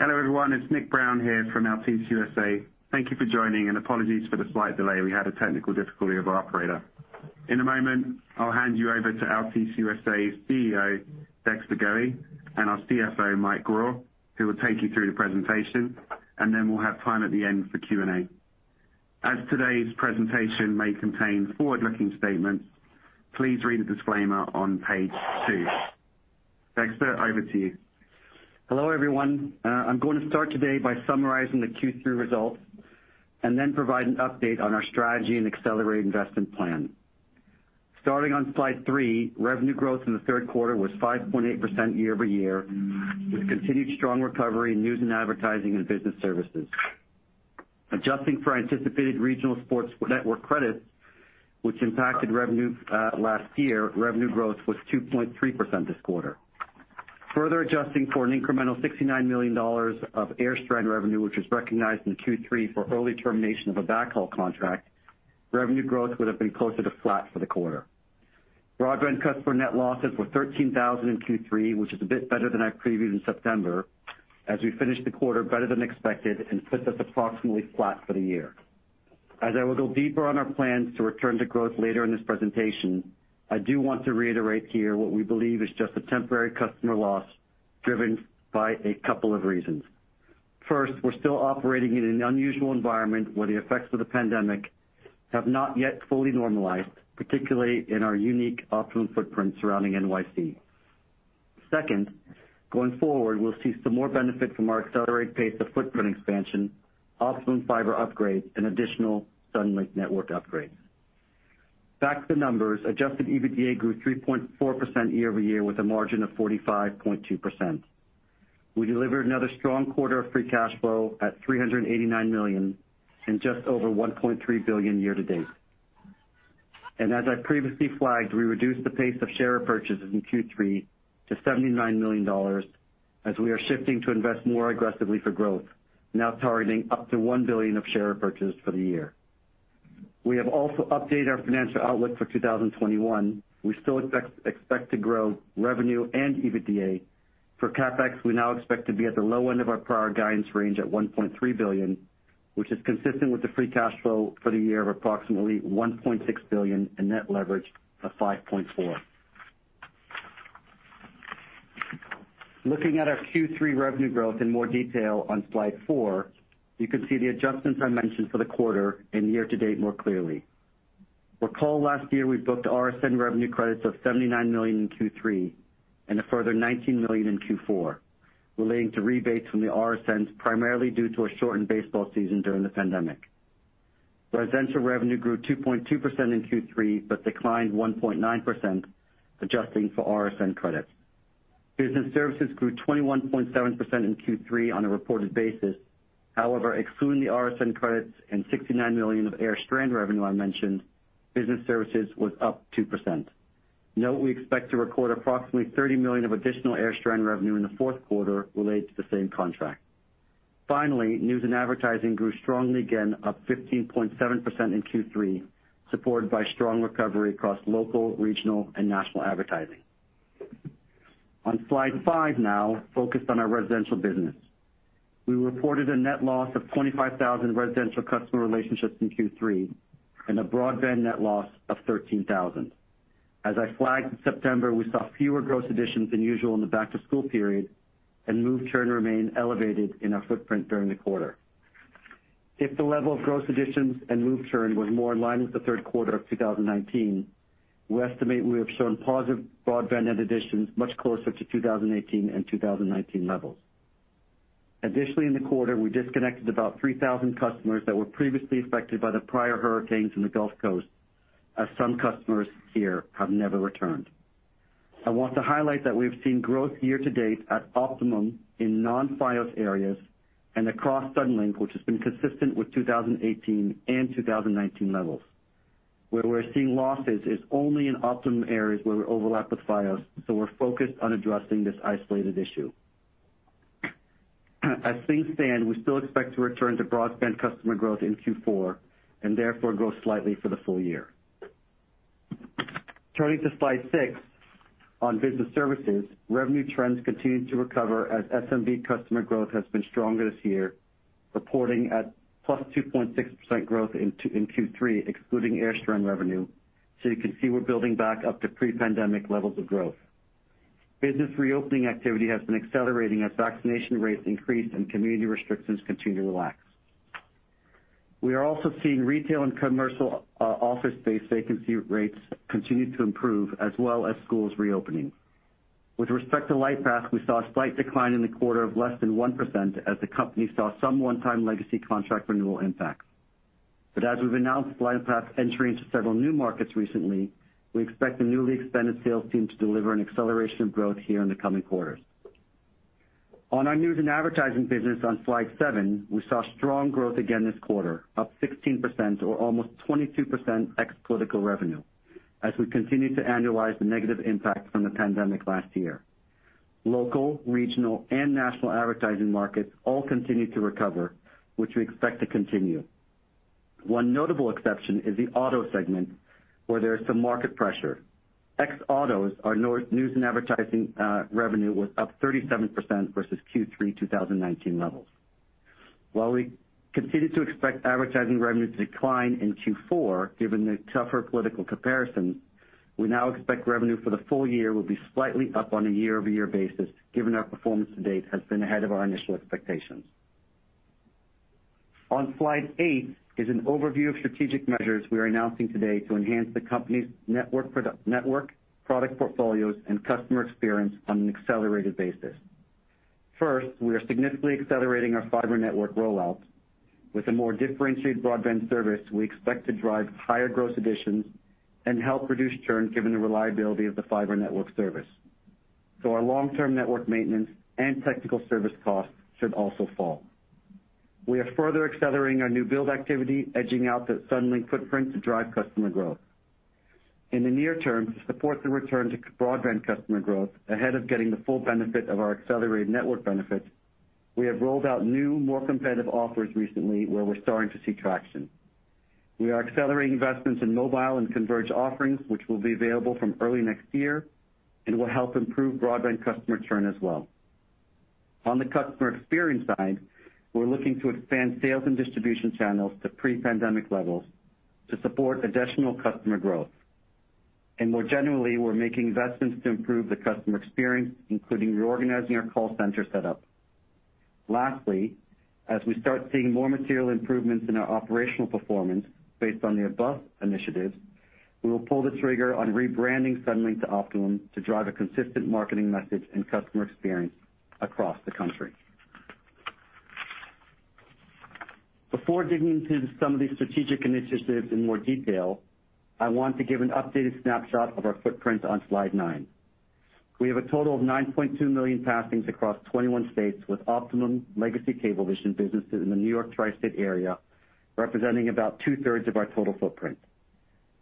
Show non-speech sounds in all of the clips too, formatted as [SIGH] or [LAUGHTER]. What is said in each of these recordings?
Hello, everyone. It's Nick Brown here from Altice USA. Thank you for joining, and apologies for the slight delay. We had a technical difficulty with our operator. In a moment, I'll hand you over to Altice USA's CEO, Dexter Goei, and our CFO, Mike Grau, who will take you through the presentation, and then we'll have time at the end for Q&A. As today's presentation may contain forward-looking statements, please read the disclaimer on page two. Dexter, over to you. Hello, everyone. I'm going to start today by summarizing the Q3 results and then provide an update on our strategy and accelerated investment plan. Starting on slide three, revenue growth in the third quarter was 5.8% year-over-year, with continued strong recovery in news and advertising and business services. Adjusting for anticipated regional sports network credits which impacted revenue last year, revenue growth was 2.3% this quarter. Further adjusting for an incremental $69 million of AirStrand revenue, which was recognized in Q3 for early termination of a backhaul contract, revenue growth would have been closer to flat for the quarter. Broadband customer net losses were 13,000 in Q3, which is a bit better than I previewed in September, as we finished the quarter better than expected and puts us approximately flat for the year. As I will go deeper on our plans to return to growth later in this presentation, I do want to reiterate here what we believe is just a temporary customer loss driven by a couple of reasons. First, we're still operating in an unusual environment where the effects of the pandemic have not yet fully normalized, particularly in our unique Optimum footprint surrounding N.Y.C. Second, going forward, we'll see some more benefit from our accelerated pace of footprint expansion, Optimum fiber upgrades, and additional Suddenlink network upgrades. Back to the numbers, adjusted EBITDA grew 3.4% year-over-year with a margin of 45.2%. We delivered another strong quarter of free cash flow at $389 million and just over $1.3 billion year-to-date. As I previously flagged, we reduced the pace of share purchases in Q3 to $79 million as we are shifting to invest more aggressively for growth, now targeting up to $1 billion of share purchases for the year. We have also updated our financial outlook for 2021. We still expect to grow revenue and EBITDA. For CapEx, we now expect to be at the low end of our prior guidance range at $1.3 billion, which is consistent with the free cash flow for the year of approximately $1.6 billion and net leverage of 5.4. Looking at our Q3 revenue growth in more detail on slide four, you can see the adjustments I mentioned for the quarter and year-to-date more clearly. Recall last year, we booked RSN revenue credits of $79 million in Q3 and a further $19 million in Q4, relating to rebates from the RSNs, primarily due to a shortened baseball season during the pandemic. Residential revenue grew 2.2% in Q3, but declined 1.9% adjusting for RSN credits. Business services grew 21.7% in Q3 on a reported basis. However, excluding the RSN credits and $69 million of AirStrand revenue I mentioned, business services was up 2%. Note, we expect to record approximately $30 million of additional AirStrand revenue in the fourth quarter related to the same contract. Finally, news and advertising grew strongly again, up 15.7% in Q3, supported by strong recovery across local, regional, and national advertising. On slide five now, focused on our residential business. We reported a net loss of 25,000 residential customer relationships in Q3 and a broadband net loss of 13,000. As I flagged in September, we saw fewer gross additions than usual in the back-to-school period, and move churn remained elevated in our footprint during the quarter. If the level of gross additions and move churn was more in line with the third quarter of 2019, we estimate we have shown positive broadband net additions much closer to 2018 and 2019 levels. Additionally, in the quarter, we disconnected about 3,000 customers that were previously affected by the prior hurricanes in the Gulf Coast, as some customers here have never returned. I want to highlight that we have seen growth year-to-date at Optimum in non-Fios areas and across Suddenlink, which has been consistent with 2018 and 2019 levels. Where we're seeing losses is only in Optimum areas where we overlap with Fios, so we're focused on addressing this isolated issue. As things stand, we still expect to return to broadband customer growth in Q4 and therefore grow slightly for the full year. Turning to slide six on business services, revenue trends continue to recover as SMB customer growth has been stronger this year, reporting at +2.6% growth in Q3, excluding AirStrand revenue. You can see we're building back up to pre-pandemic levels of growth. Business reopening activity has been accelerating as vaccination rates increase and community restrictions continue to relax. We are also seeing retail and commercial office space vacancy rates continue to improve as well as schools reopening. With respect to Lightpath, we saw a slight decline in the quarter of less than 1% as the company saw some one-time legacy contract renewal impact. As we've announced Lightpath entering into several new markets recently, we expect the newly expanded sales team to deliver an acceleration of growth here in the coming quarters. On our news and advertising business on slide seven, we saw strong growth again this quarter, up 16% or almost 22% ex-political revenue as we continue to annualize the negative impact from the pandemic last year. Local, regional, and national advertising markets all continue to recover, which we expect to continue. One notable exception is the auto segment, where there's some market pressure. Ex-autos, our news and advertising revenue was up 37% versus Q3 2019 levels. While we continue to expect advertising revenue to decline in Q4, given the tougher political comparisons, we now expect revenue for the full year will be slightly up on a year-over-year basis, given our performance to date has been ahead of our initial expectations. On slide eight is an overview of strategic measures we are announcing today to enhance the company's network, product portfolios, and customer experience on an accelerated basis. First, we are significantly accelerating our fiber network rollout. With a more differentiated broadband service, we expect to drive higher gross additions and help reduce churn, given the reliability of the fiber network service. Our long-term network maintenance and technical service costs should also fall. We are further accelerating our new build activity, edging out the Suddenlink footprint to drive customer growth. In the near term, to support the return to cable broadband customer growth ahead of getting the full benefit of our accelerated network benefits, we have rolled out new, more competitive offers recently, where we're starting to see traction. We are accelerating investments in mobile and converged offerings, which will be available from early next year and will help improve broadband customer churn as well. On the customer experience side, we're looking to expand sales and distribution channels to pre-pandemic levels to support additional customer growth. More generally, we're making investments to improve the customer experience, including reorganizing our call center setup. Lastly, as we start seeing more material improvements in our operational performance based on the above initiatives, we will pull the trigger on rebranding Suddenlink to Optimum to drive a consistent marketing message and customer experience across the country. Before digging into some of these strategic initiatives in more detail, I want to give an updated snapshot of our footprint on slide nine. We have a total of 9.2 million passings across 21 states with Optimum legacy Cablevision businesses in the New York Tri-State Area, representing about two-thirds of our total footprint.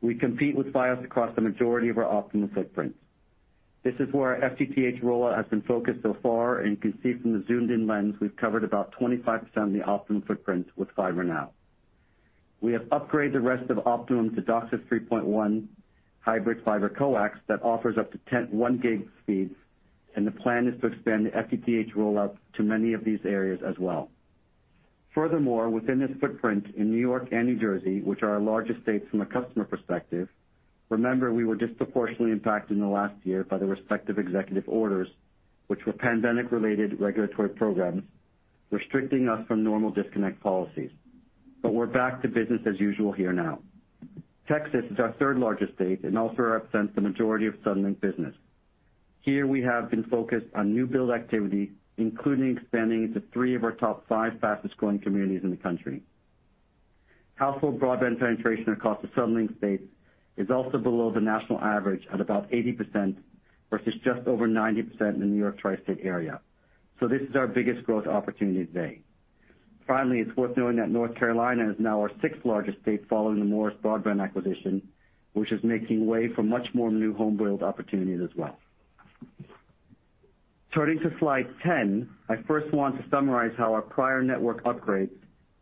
We compete with Fios across the majority of our Optimum footprint. This is where our FTTH rollout has been focused so far, and you can see from the zoomed-in lens, we've covered about 25% of the Optimum footprint with fiber now. We have upgraded the rest of Optimum to DOCSIS 3.1 hybrid fiber coax that offers up to 10/1 Gb speeds, and the plan is to expand the FTTH rollout to many of these areas as well. Furthermore, within this footprint in New York and New Jersey, which are our largest states from a customer perspective, remember, we were disproportionately impacted in the last year by the respective executive orders, which were pandemic-related regulatory programs restricting us from normal disconnect policies. We're back to business as usual here now. Texas is our third-largest state and also represents the majority of Suddenlink business. Here, we have been focused on new build activity, including expanding into three of our top five fastest-growing communities in the country. Household broadband penetration across the Suddenlink states is also below the national average at about 80% versus just over 90% in the New York Tri-State Area. This is our biggest growth opportunity today. Finally, it's worth noting that North Carolina is now our sixth-largest state following the Morris Broadband acquisition, which is making way for much more new home build opportunities as well. Turning to slide 10, I first want to summarize how our prior network upgrades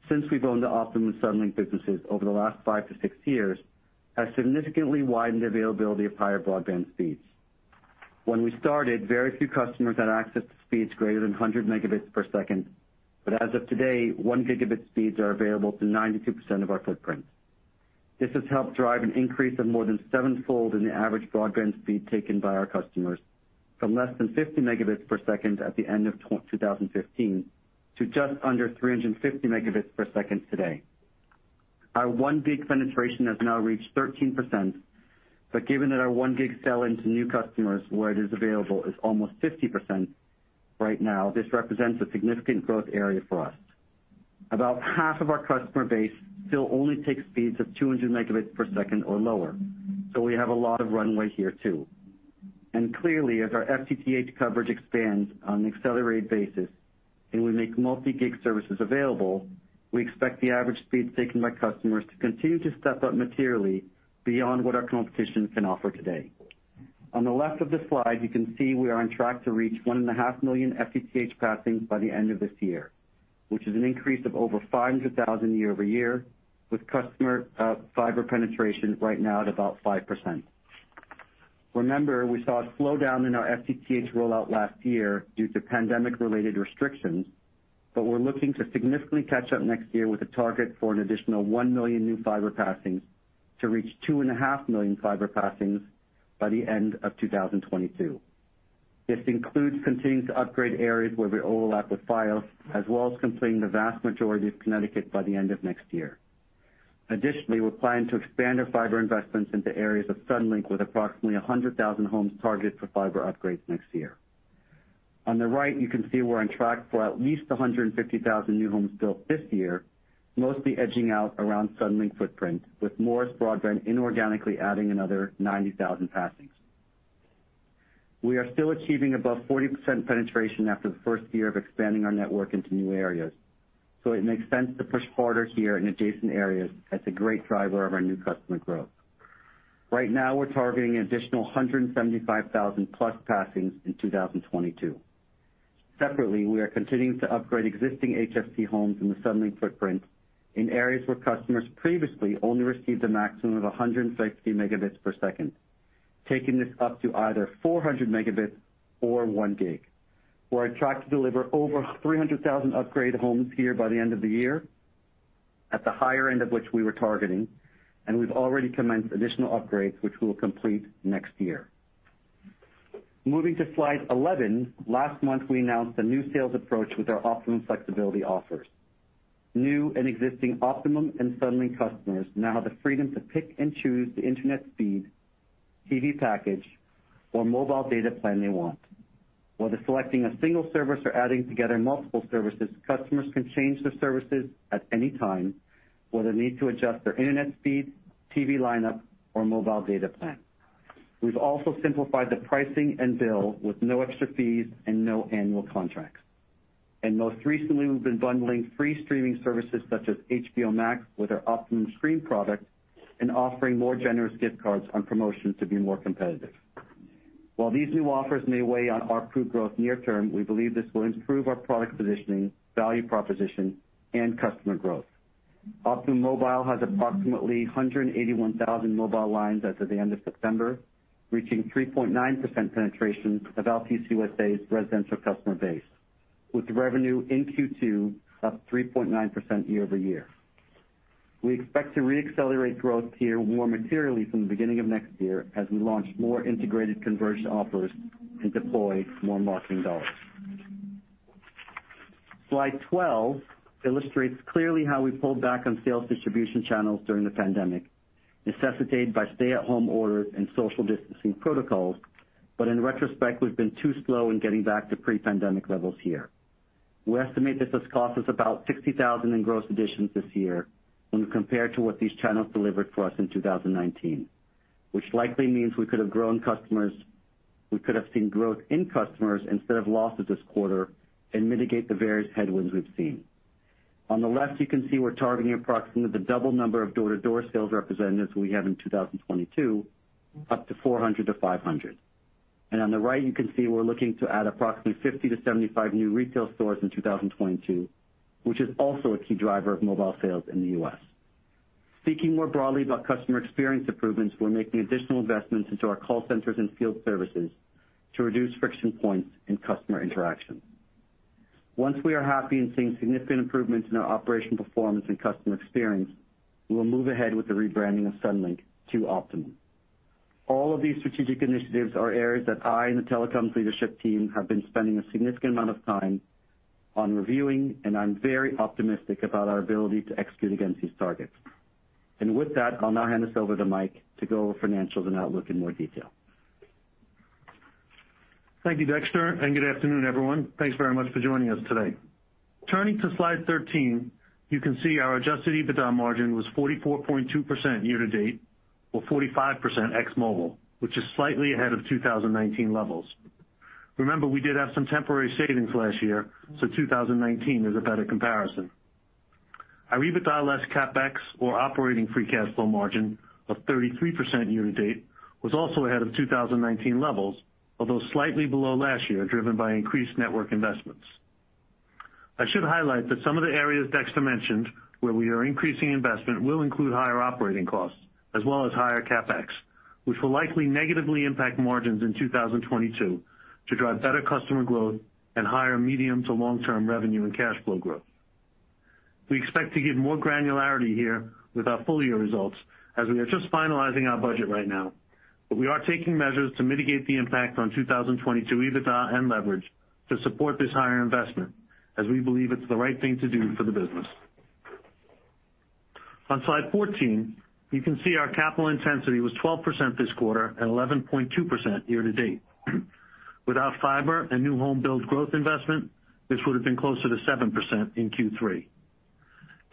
since we've owned the Optimum and Suddenlink businesses over the last five to six years, has significantly widened the availability of higher broadband speeds. When we started, very few customers had access to speeds greater than 100 Mbps. As of today, 1 Gb speeds are available to 92% of our footprint. This has helped drive an increase of more than sevenfold in the average broadband speed taken by our customers from less than 50 Mbps at the end of 2015 to just under 350 Mbps today. Our 1 Gb penetration has now reached 13%, but given that our 1 Gb sell into new customers where it is available is almost 50% right now, this represents a significant growth area for us. About half of our customer base still only take speeds of 200 Mbps or lower. We have a lot of runway here too. Clearly, as our FTTH coverage expands on an accelerated basis and we make multi-gig services available, we expect the average speed taken by customers to continue to step up materially beyond what our competition can offer today. On the left of the slide, you can see we are on track to reach 1.5 million FTTH passings by the end of this year, which is an increase of over 500,000 year-over-year, with customer fiber penetration right now at about 5%. Remember, we saw a slowdown in our FTTH rollout last year due to pandemic-related restrictions, but we're looking to significantly catch up next year with a target for an additional one million new fiber passings to reach 2.5 million fiber passings by the end of 2022. This includes continuing to upgrade areas where we overlap with Fios, as well as completing the vast majority of Connecticut by the end of next year. Additionally, we're planning to expand our fiber investments into areas of Suddenlink with approximately 100,000 homes targeted for fiber upgrades next year. On the right, you can see we're on track for at least 150,000 new homes built this year, mostly edging out around Suddenlink footprint, with Morris Broadband inorganically adding another 90,000 passings. We are still achieving above 40% penetration after the first year of expanding our network into new areas. It makes sense to push harder here in adjacent areas as a great driver of our new customer growth. Right now, we're targeting an additional 175,000+ passings in 2022. Separately, we are continuing to upgrade existing HFC homes in the Suddenlink footprint in areas where customers previously only received a maximum of 160 Mbps, taking this up to either 400 Mbps or 1 Gbps. We're on track to deliver over 300,000 upgraded homes here by the end of the year, at the higher end of which we were targeting, and we've already commenced additional upgrades which we will complete next year. Moving to slide 11, last month, we announced a new sales approach with our Optimum FlexAbility offers. New and existing Optimum and Suddenlink customers now have the freedom to pick and choose the internet speed, TV package, or mobile data plan they want. Whether selecting a single service or adding together multiple services, customers can change their services at any time, whether they need to adjust their internet speed, TV lineup, or mobile data plan. We've also simplified the pricing and billing with no extra fees and no annual contracts. Most recently, we've been bundling free streaming services such as HBO Max with our Optimum Stream product and offering more generous gift cards on promotions to be more competitive. While these new offers may weigh on our revenue growth near term, we believe this will improve our product positioning, value proposition, and customer growth. Optimum Mobile has approximately 181,000 mobile lines as of the end of September, reaching 3.9% penetration of Altice USA's residential customer base, with revenue in Q2 up 3.9% year-over-year. We expect to re-accelerate growth here more materially from the beginning of next year as we launch more integrated conversion offers and deploy more marketing dollars. Slide 12 illustrates clearly how we pulled back on sales distribution channels during the pandemic, necessitated by stay-at-home orders and social distancing protocols. In retrospect, we've been too slow in getting back to pre-pandemic levels here. We estimate that this cost us about 60,000 in gross additions this year when compared to what these channels delivered for us in 2019. Which likely means we could have seen growth in customers instead of losses this quarter and mitigate the various headwinds we've seen. On the left, you can see we're targeting approximately the double number of door-to-door sales representatives we have in 2022, up to 400-500. On the right, you can see we're looking to add approximately 50-75 new retail stores in 2022, which is also a key driver of mobile sales in the U.S. Speaking more broadly about customer experience improvements, we're making additional investments into our call centers and field services to reduce friction points in customer interaction. Once we are happy and seeing significant improvements in our operational performance and customer experience, we will move ahead with the rebranding of Suddenlink to Optimum. All of these strategic initiatives are areas that I and the telecoms leadership team have been spending a significant amount of time on reviewing, and I'm very optimistic about our ability to execute against these targets. With that, I'll now hand this over to Mike to go over financials and outlook in more detail. Thank you, Dexter, and good afternoon, everyone. Thanks very much for joining us today. Turning to slide thirteen, you can see our adjusted EBITDA margin was 44.2% year to date or 45% ex mobile, which is slightly ahead of 2019 levels. Remember, we did have some temporary savings last year, so 2019 is a better comparison. Our EBITDA less CapEx or operating free cash flow margin of 33% year to date was also ahead of 2019 levels, although slightly below last year, driven by increased network investments. I should highlight that some of the areas Dexter mentioned where we are increasing investment will include higher operating costs as well as higher CapEx, which will likely negatively impact margins in 2022 to drive better customer growth and higher medium to long-term revenue and cash flow growth. We expect to give more granularity here with our full year results as we are just finalizing our budget right now. We are taking measures to mitigate the impact on 2022 EBITDA and leverage to support this higher investment as we believe it's the right thing to do for the business. On slide 14, you can see our capital intensity was 12% this quarter and 11.2% year to date. Without fiber and new home builds growth investment, this would have been closer to 7% in Q3.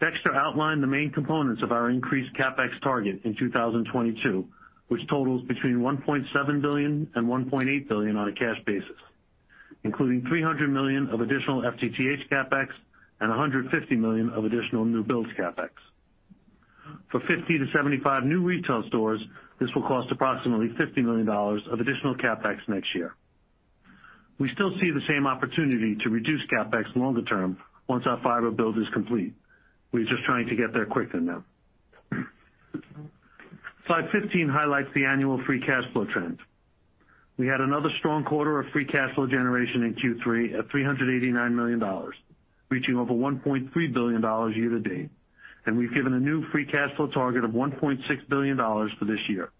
Dexter outlined the main components of our increased CapEx target in 2022, which totals between $1.7 billion-$1.8 billion on a cash basis, including $300 million of additional FTTH CapEx and $150 million of additional new builds CapEx. For 50-75 new retail stores, this will cost approximately $50 million of additional CapEx next year. We still see the same opportunity to reduce CapEx longer term once our fiber build is complete. We're just trying to get there quicker now. Slide 15 highlights the annual free cash flow trends. We had another strong quarter of free cash flow generation in Q3 at $389 million, reaching over $1.3 billion year to date, and we've given a new free cash flow target of $1.6 billion for this year.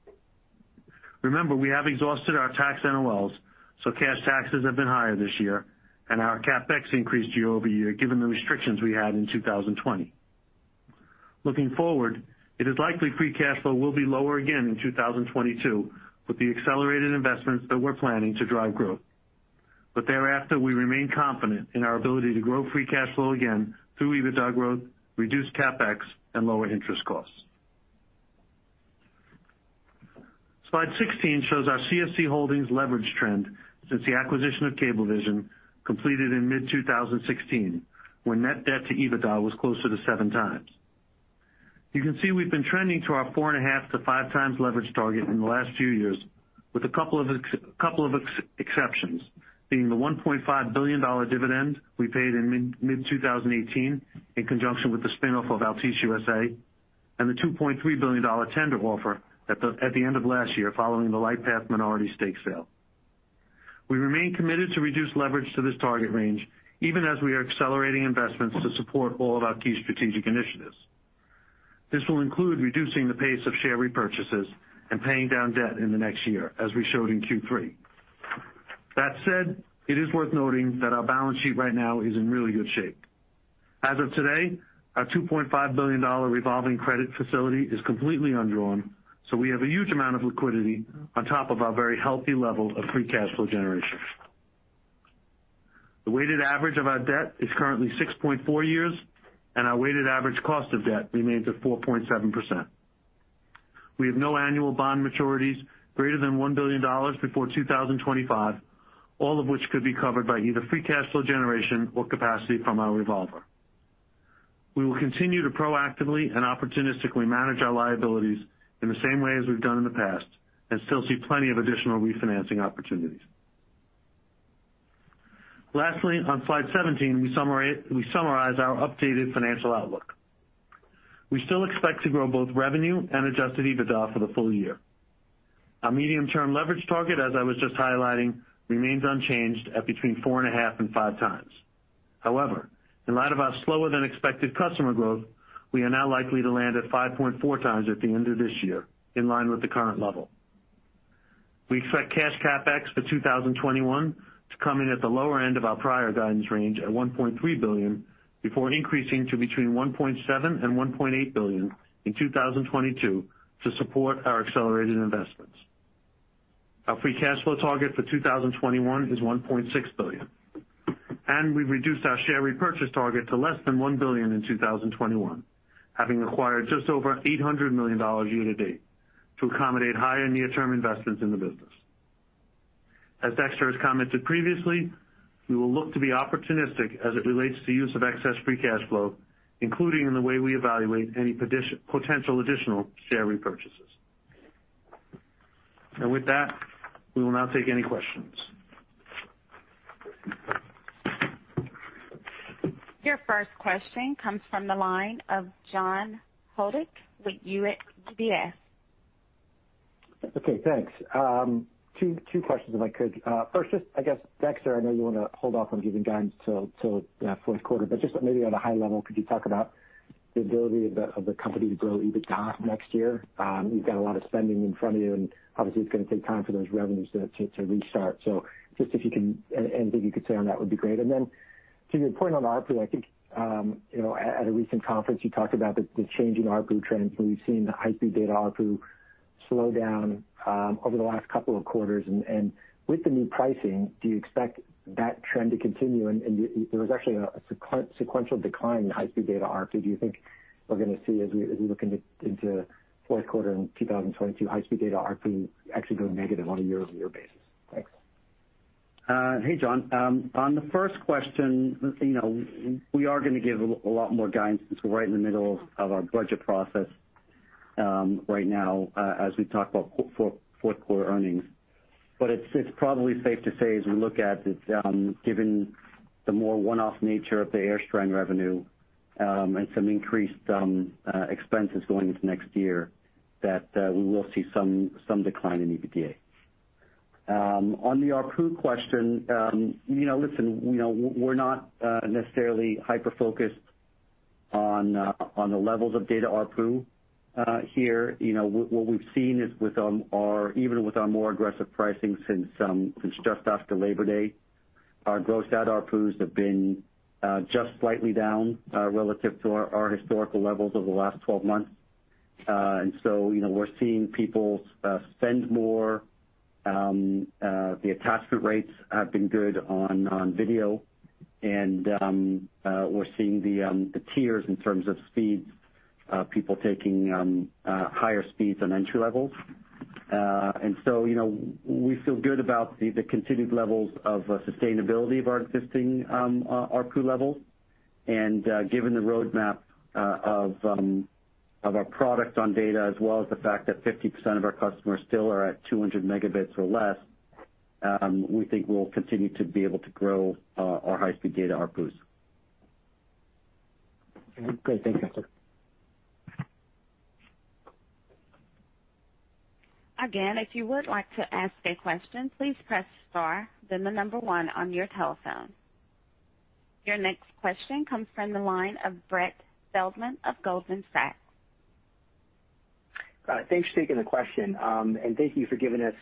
Remember, we have exhausted our tax NOLs, so cash taxes have been higher this year and our CapEx increased year over year given the restrictions we had in 2020. Looking forward, it is likely free cash flow will be lower again in 2022 with the accelerated investments that we're planning to drive growth. Thereafter, we remain confident in our ability to grow free cash flow again through EBITDA growth, reduced CapEx, and lower interest costs. Slide 16 shows our CSC Holdings leverage trend since the acquisition of Cablevision completed in mid-2016, when net debt to EBITDA was closer to 7x. You can see we've been trending to our 4.5-5x leverage target in the last few years with a couple of exceptions, being the $1.5 billion dividend we paid in mid-2018 in conjunction with the spin-off of Altice USA and the $2.3 billion tender offer at the end of last year following the Lightpath minority stake sale. We remain committed to reduce leverage to this target range, even as we are accelerating investments to support all of our key strategic initiatives. This will include reducing the pace of share repurchases and paying down debt in the next year, as we showed in Q3. That said, it is worth noting that our balance sheet right now is in really good shape. As of today, our $2.5 billion revolving credit facility is completely undrawn, so we have a huge amount of liquidity on top of our very healthy level of free cash flow generation. The weighted average of our debt is currently 6.4 years, and our weighted average cost of debt remains at 4.7%. We have no annual bond maturities greater than $1 billion before 2025, all of which could be covered by either free cash flow generation or capacity from our revolver. We will continue to proactively and opportunistically manage our liabilities in the same way as we've done in the past and still see plenty of additional refinancing opportunities. Lastly, on slide 17, we summarize our updated financial outlook. We still expect to grow both revenue and adjusted EBITDA for the full year. Our medium-term leverage target, as I was just highlighting, remains unchanged at between 4.5 and 5 times. However, in light of our slower than expected customer growth, we are now likely to land at 5.4 times at the end of this year, in line with the current level. We expect cash CapEx for 2021 to come in at the lower end of our prior guidance range at $1.3 billion, before increasing to between $1.7 billion and $1.8 billion in 2022 to support our accelerated investments. Our free cash flow target for 2021 is $1.6 billion. We've reduced our share repurchase target to less than $1 billion in 2021, having acquired just over $800 million year to date to accommodate higher near-term investments in the business. As Dexter has commented previously, we will look to be opportunistic as it relates to use of excess free cash flow, including in the way we evaluate any potential additional share repurchases. With that, we will now take any questions. Your first question comes from the line of John Hodulik with UBS. Okay, thanks. Two questions, if I could. First, just I guess, Dexter, I know you wanna hold off on giving guidance till fourth quarter, but just maybe at a high level, could you talk about the ability of the company to grow EBITDA next year? You've got a lot of spending in front of you, and obviously, it's gonna take time for those revenues to restart. So just anything you could say on that would be great. Then to your point on ARPU, I think you know, at a recent conference, you talked about the change in ARPU trends, and we've seen the high-speed data ARPU slow down over the last couple of quarters. With the new pricing, do you expect that trend to continue? There was actually a sequential decline in high-speed data ARPU. Do you think we're gonna see, as we look into fourth quarter in 2022, high-speed data ARPU actually go negative on a year-over-year basis? Thanks. Hey, John. On the first question, you know, we are gonna give a lot more guidance since we're right in the middle of our budget process, right now, as we talk about fourth quarter earnings. It's probably safe to say as we look at it, given the more one-off nature of the AirStrand revenue, and some increased expenses going into next year, that we will see some decline in EBITDA. On the ARPU question, you know, listen, you know, we're not necessarily hyper-focused on the levels of data ARPU here. You know, what we've seen is even with our more aggressive pricing since just after Labor Day, our gross add ARPUs have been just slightly down relative to our historical levels over the last 12 months. You know, we're seeing people spend more. The attachment rates have been good on video and we're seeing the tiers in terms of speeds, people taking higher speeds on entry levels. You know, we feel good about the continued levels of sustainability of our existing ARPU levels. Given the roadmap of our product on data as well as the fact that 50% of our customers still are at 200 megabits or less, we think we'll continue to be able to grow our high-speed data ARPUs. Great. Thanks, Dexter. Again, if you would like to ask a question, please press star, then the number one on your telephone. Your next question comes from the line of Brett Feldman of Goldman Sachs. Thanks for taking the question. Thank you for giving us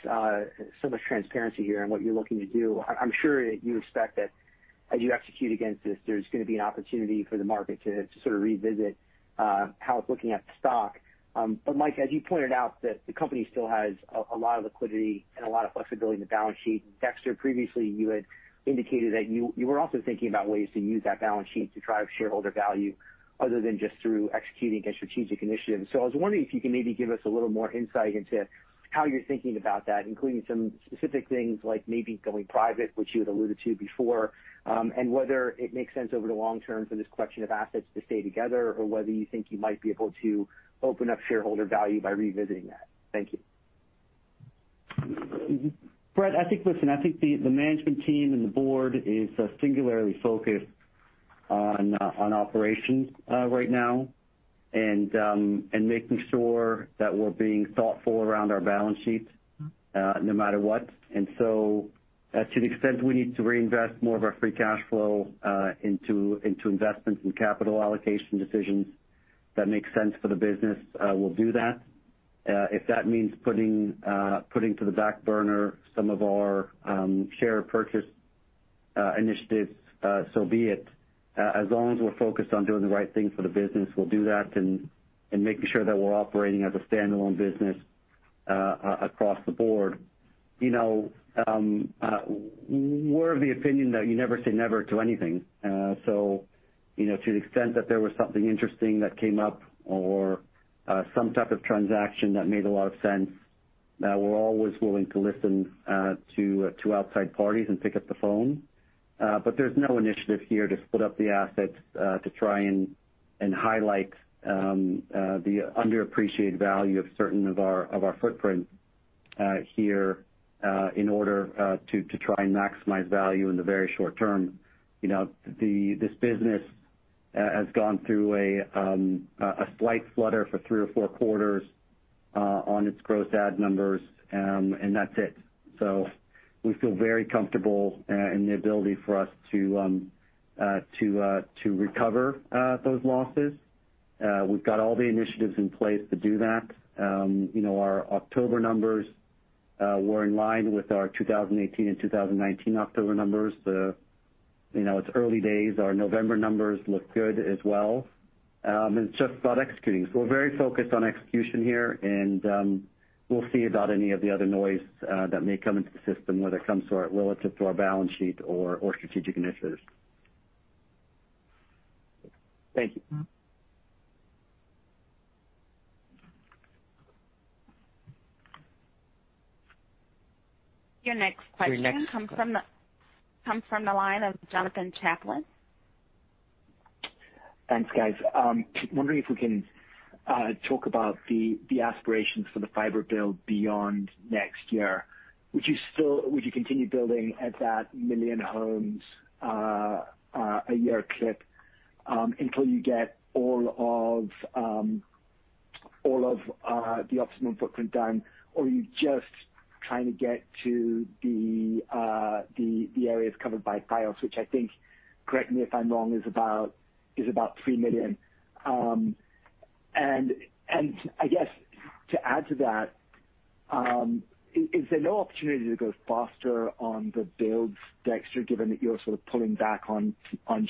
so much transparency here on what you're looking to do. I'm sure you expect that as you execute against this, there's gonna be an opportunity for the market to sort of revisit how it's looking at the stock. Mike, as you pointed out, the company still has a lot of liquidity and a lot of flexibility in the balance sheet. Dexter, previously, you had indicated that you were also thinking about ways to use that balance sheet to drive shareholder value other than just through executing a strategic initiative. I was wondering if you can maybe give us a little more insight into how you're thinking about that, including some specific things like maybe going private, which you had alluded to before, and whether it makes sense over the long term for this collection of assets to stay together or whether you think you might be able to open up shareholder value by revisiting that? Thank you. Brett, I think, listen, I think the management team and the board is singularly focused on operations right now and making sure that we're being thoughtful around our balance sheet, no matter what. To the extent we need to reinvest more of our free cash flow into investments and capital allocation decisions that make sense for the business, we'll do that. If that means putting to the back burner some of our share purchase initiatives, so be it. As long as we're focused on doing the right thing for the business, we'll do that in making sure that we're operating as a standalone business across the board. You know, we're of the opinion that you never say never to anything. So, you know, to the extent that there was something interesting that came up or some type of transaction that made a lot of sense, we're always willing to listen to outside parties and pick up the phone. There's no initiative here to split up the assets to try and highlight the underappreciated value of certain of our footprint here in order to try and maximize value in the very short term. You know, this business has gone through a slight flutter for three or four quarters on its gross add numbers, and that's it. We feel very comfortable in the ability for us to recover those losses. We've got all the initiatives in place to do that. You know, our October numbers were in line with our 2018 and 2019 October numbers. You know, it's early days. Our November numbers look good as well. It's just about executing. We're very focused on execution here, and we'll see about any of the other noise that may come into the system, whether it comes to our balance sheet or strategic initiatives. Thank you. Your next question [CROSSTALK] comes from the line of Jonathan Chaplin. Thanks, guys. Wondering if we can talk about the aspirations for the fiber build beyond next year. Would you continue building at that one million homes a year clip until you get all of the Optimum footprint done? Or are you just trying to get to the areas covered by Fios, which I think, correct me if I'm wrong, is about three million. I guess to add to that, is there no opportunity to go faster on the builds, Dexter, given that you're sort of pulling back on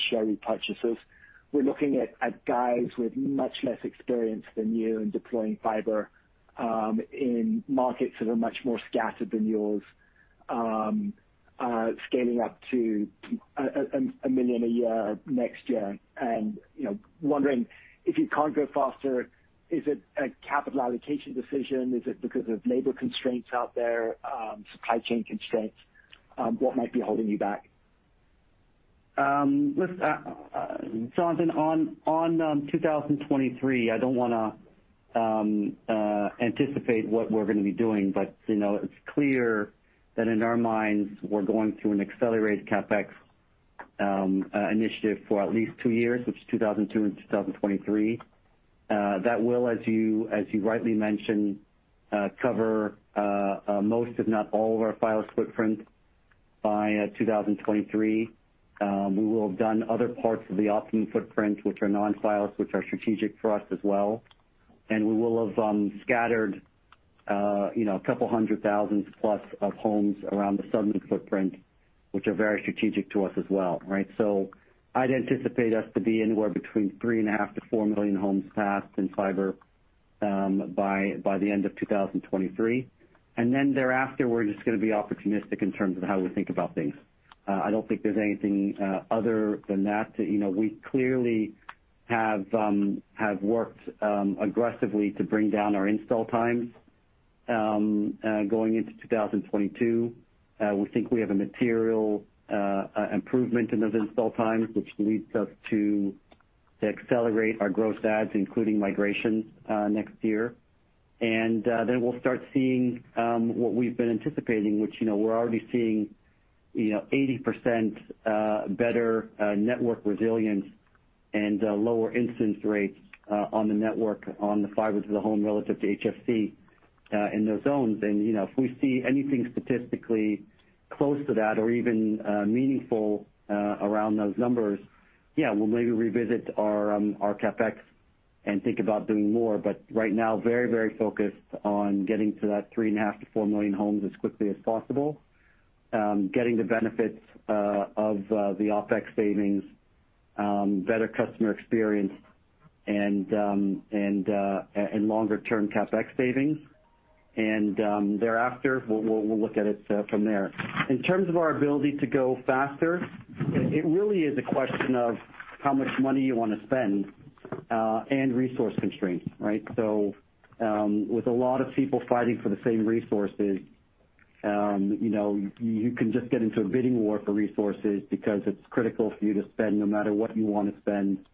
share repurchases? We're looking at guys with much less experience than you in deploying fiber in markets that are much more scattered than yours scaling up to one million a year next year. You know, wondering if you can't go faster, is it a capital allocation decision? Is it because of labor constraints out there? Supply chain constraints? What might be holding you back? Jonathan, on 2023, I don't wanna anticipate what we're gonna be doing. You know, it's clear that in our minds, we're going through an accelerated CapEx initiative for at least two years, which is 2022 and 2023. That will, as you rightly mentioned, cover most, if not all, of our fiber footprint by 2023. We will have done other parts of the Optimum footprint, which are non-fiber, which are strategic for us as well. We will have scattered, you know, a couple hundred thousand plus homes around the southern footprint, which are very strategic to us as well, right? I'd anticipate us to be anywhere between 3.5-4 million homes passed in fiber by the end of 2023. Thereafter, we're just gonna be opportunistic in terms of how we think about things. I don't think there's anything other than that. You know, we clearly have worked aggressively to bring down our install times going into 2022. We think we have a material improvement in those install times, which leads us to accelerate our gross adds, including migration, next year. Then we'll start seeing what we've been anticipating, which, you know, we're already seeing, you know, 80% better network resilience and lower incident rates on the network, on the fiber to the home relative to HFC in those zones. You know, if we see anything statistically close to that or even meaningful around those numbers, yeah, we'll maybe revisit our CapEx and think about doing more. But right now, very, very focused on getting to that 3.5-4 million homes as quickly as possible, getting the benefits of the OpEx savings, better customer experience and longer term CapEx savings. Thereafter, we'll look at it from there. In terms of our ability to go faster, it really is a question of how much money you wanna spend, and resource constraints, right? With a lot of people fighting for the same resources, you know, you can just get into a bidding war for resources because it's critical for you to spend no matter what you want to spend.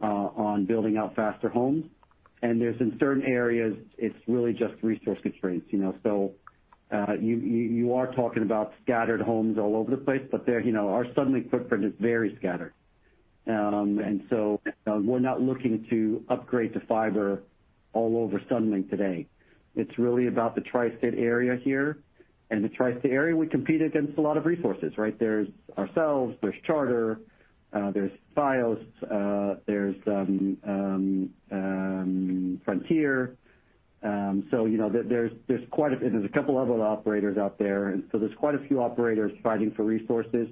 On building out faster homes. In certain areas, it's really just resource constraints, you know. You are talking about scattered homes all over the place, but they're, you know, our Suddenlink footprint is very scattered. We're not looking to upgrade to fiber all over Suddenlink today. It's really about the Tri-State area here. In the Tri-State area, we compete against a lot of resources, right? There's ourselves, there's Charter, there's Fios, there's Frontier. So you know, there's quite a few. There's a couple other operators out there, and so there's quite a few operators fighting for resources,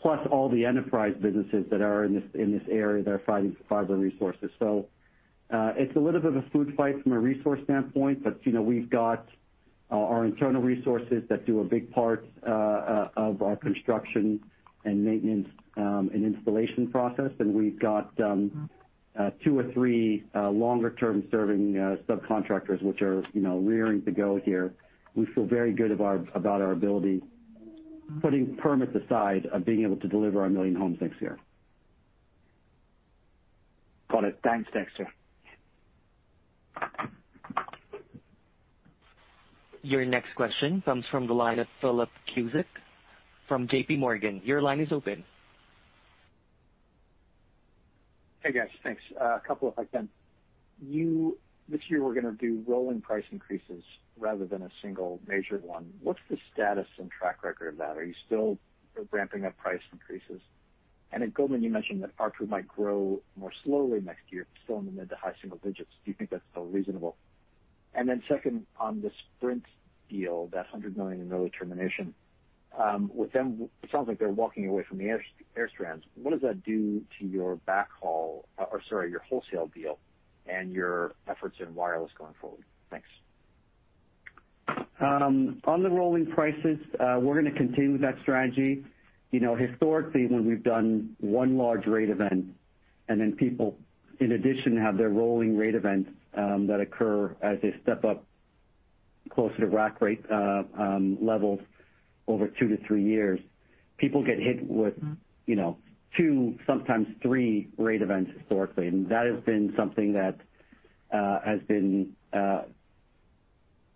plus all the enterprise businesses that are in this area that are fighting for fiber resources. So, it's a little bit of a food fight from a resource standpoint, but you know, we've got our internal resources that do a big part of our construction and maintenance and installation process. We've got two or three longer term serving subcontractors which are you know, raring to go here. We feel very good about our ability, putting permits aside, of being able to deliver our one million homes next year. Got it. Thanks, Dexter. Your next question comes from the line of Philip Cusick from JPMorgan. Your line is open. Hey, guys. Thanks. A couple, if I can. This year we're gonna do rolling price increases rather than a single major one. What's the status and track record of that? Are you still ramping up price increases? At Goldman, you mentioned that ARPU might grow more slowly next year, still in the mid- to high-single digits. Do you think that's still reasonable? Then second, on the Sprint deal, that $100 million early termination with them, it sounds like they're walking away from the AirStrand. What does that do to your backhaul or sorry, your wholesale deal and your efforts in wireless going forward? Thanks. On the rolling prices, we're gonna continue with that strategy. You know, historically, when we've done one large rate event and then people in addition have their rolling rate events that occur as they step up closer to rack rate levels over two to three years, people get hit with, you know, two, sometimes three rate events historically. That has been something that has been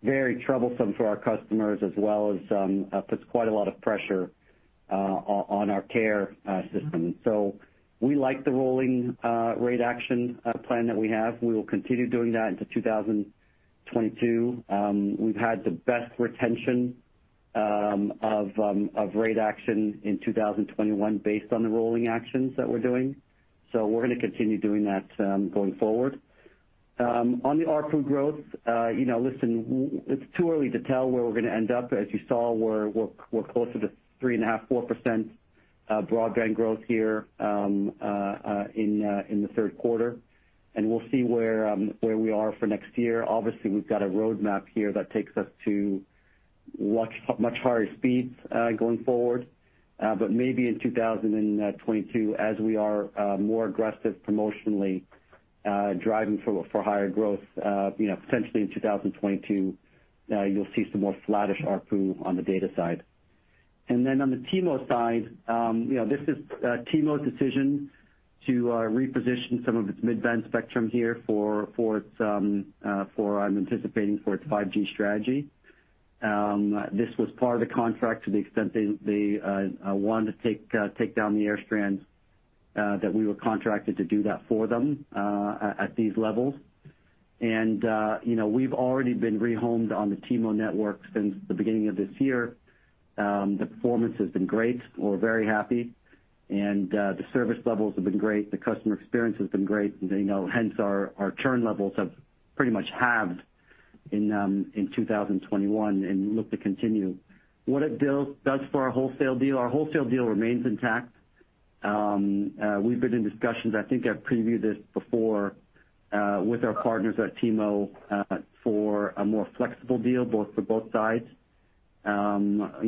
very troublesome for our customers as well as puts quite a lot of pressure on our care system. We like the rolling rate action plan that we have. We will continue doing that into 2022. We've had the best retention of rate action in 2021 based on the rolling actions that we're doing. We're gonna continue doing that, going forward. On the ARPU growth, you know, listen, it's too early to tell where we're gonna end up. As you saw, we're closer to 3.5%-4% broadband growth here in the third quarter. We'll see where we are for next year. Obviously, we've got a roadmap here that takes us to much higher speeds, going forward. Maybe in 2022 as we are more aggressive promotionally, driving for higher growth, you know, potentially in 2022, you'll see some more flattish ARPU on the data side. On the T-Mo side, you know, this is T-Mo's decision to reposition some of its mid-band spectrum here for its 5G strategy. This was part of the contract to the extent they wanted to take down the AirStrand that we were contracted to do that for them at these levels. You know, we've already been rehomed on the T-Mo network since the beginning of this year. The performance has been great. We're very happy. The service levels have been great. The customer experience has been great. You know, hence our churn levels have pretty much halved in 2021 and look to continue. What it does for our wholesale deal? Our wholesale deal remains intact. We've been in discussions, I think I previewed this before, with our partners at T-Mo, for a more flexible deal for both sides. You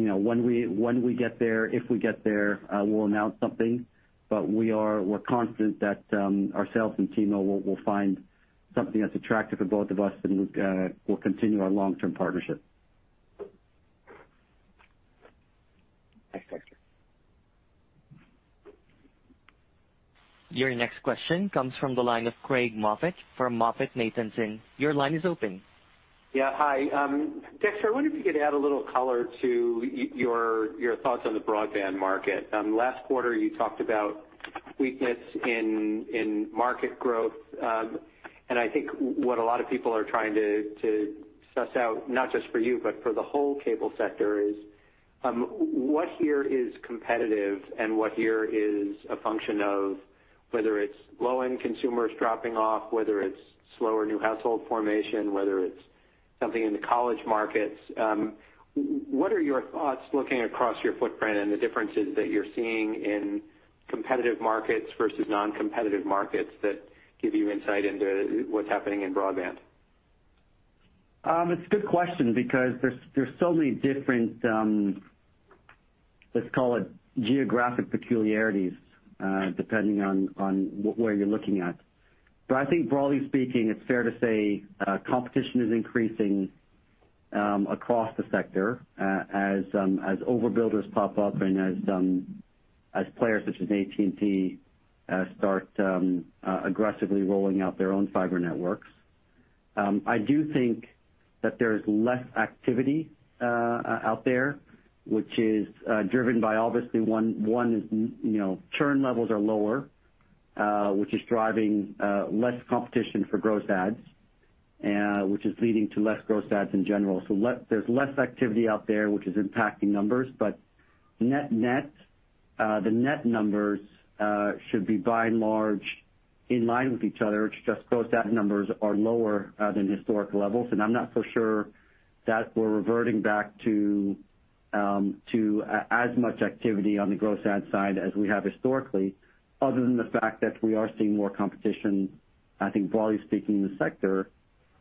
know, when we get there, if we get there, we'll announce something. We're confident that ourselves and T-Mobile will find something that's attractive for both of us, and we will continue our long-term partnership. Thanks, Dexter. Your next question comes from the line of Craig Moffett from MoffettNathanson. Your line is open. Yeah, hi. Dexter, I wonder if you could add a little color to your thoughts on the broadband market. Last quarter, you talked about weakness in market growth. I think what a lot of people are trying to suss out, not just for you, but for the whole cable sector, is what here is competitive and what here is a function of whether it's low-end consumers dropping off, whether it's slower new household formation, whether it's something in the college markets. What are your thoughts looking across your footprint and the differences that you're seeing in competitive markets versus non-competitive markets that give you insight into what's happening in broadband? It's a good question because there's so many different, let's call it geographic peculiarities, depending on where you're looking at. I think broadly speaking, it's fair to say, competition is increasing across the sector as overbuilders pop up and as players such as AT&T start aggressively rolling out their own fiber networks. I do think that there's less activity out there, which is driven by obviously one, you know, churn levels are lower, which is driving less competition for gross adds, which is leading to less gross adds in general. There's less activity out there, which is impacting numbers. Net-net, the net numbers should be by and large in line with each other. It's just gross add numbers are lower than historic levels. I'm not sure that we're reverting back to as much activity on the gross add side as we have historically, other than the fact that we are seeing more competition, I think broadly speaking, in the sector.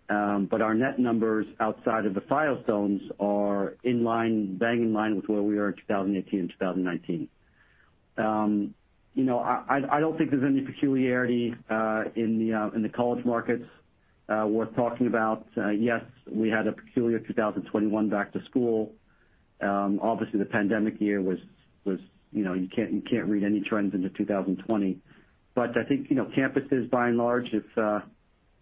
Our net numbers outside of the Fios zones are in line, bang in line with where we were in 2018 and 2019. You know, I don't think there's any peculiarity in the college markets worth talking about. Yes, we had a peculiar 2021 back to school. Obviously the pandemic year was, you know, you can't read any trends into 2020. I think, you know, campuses by and large, if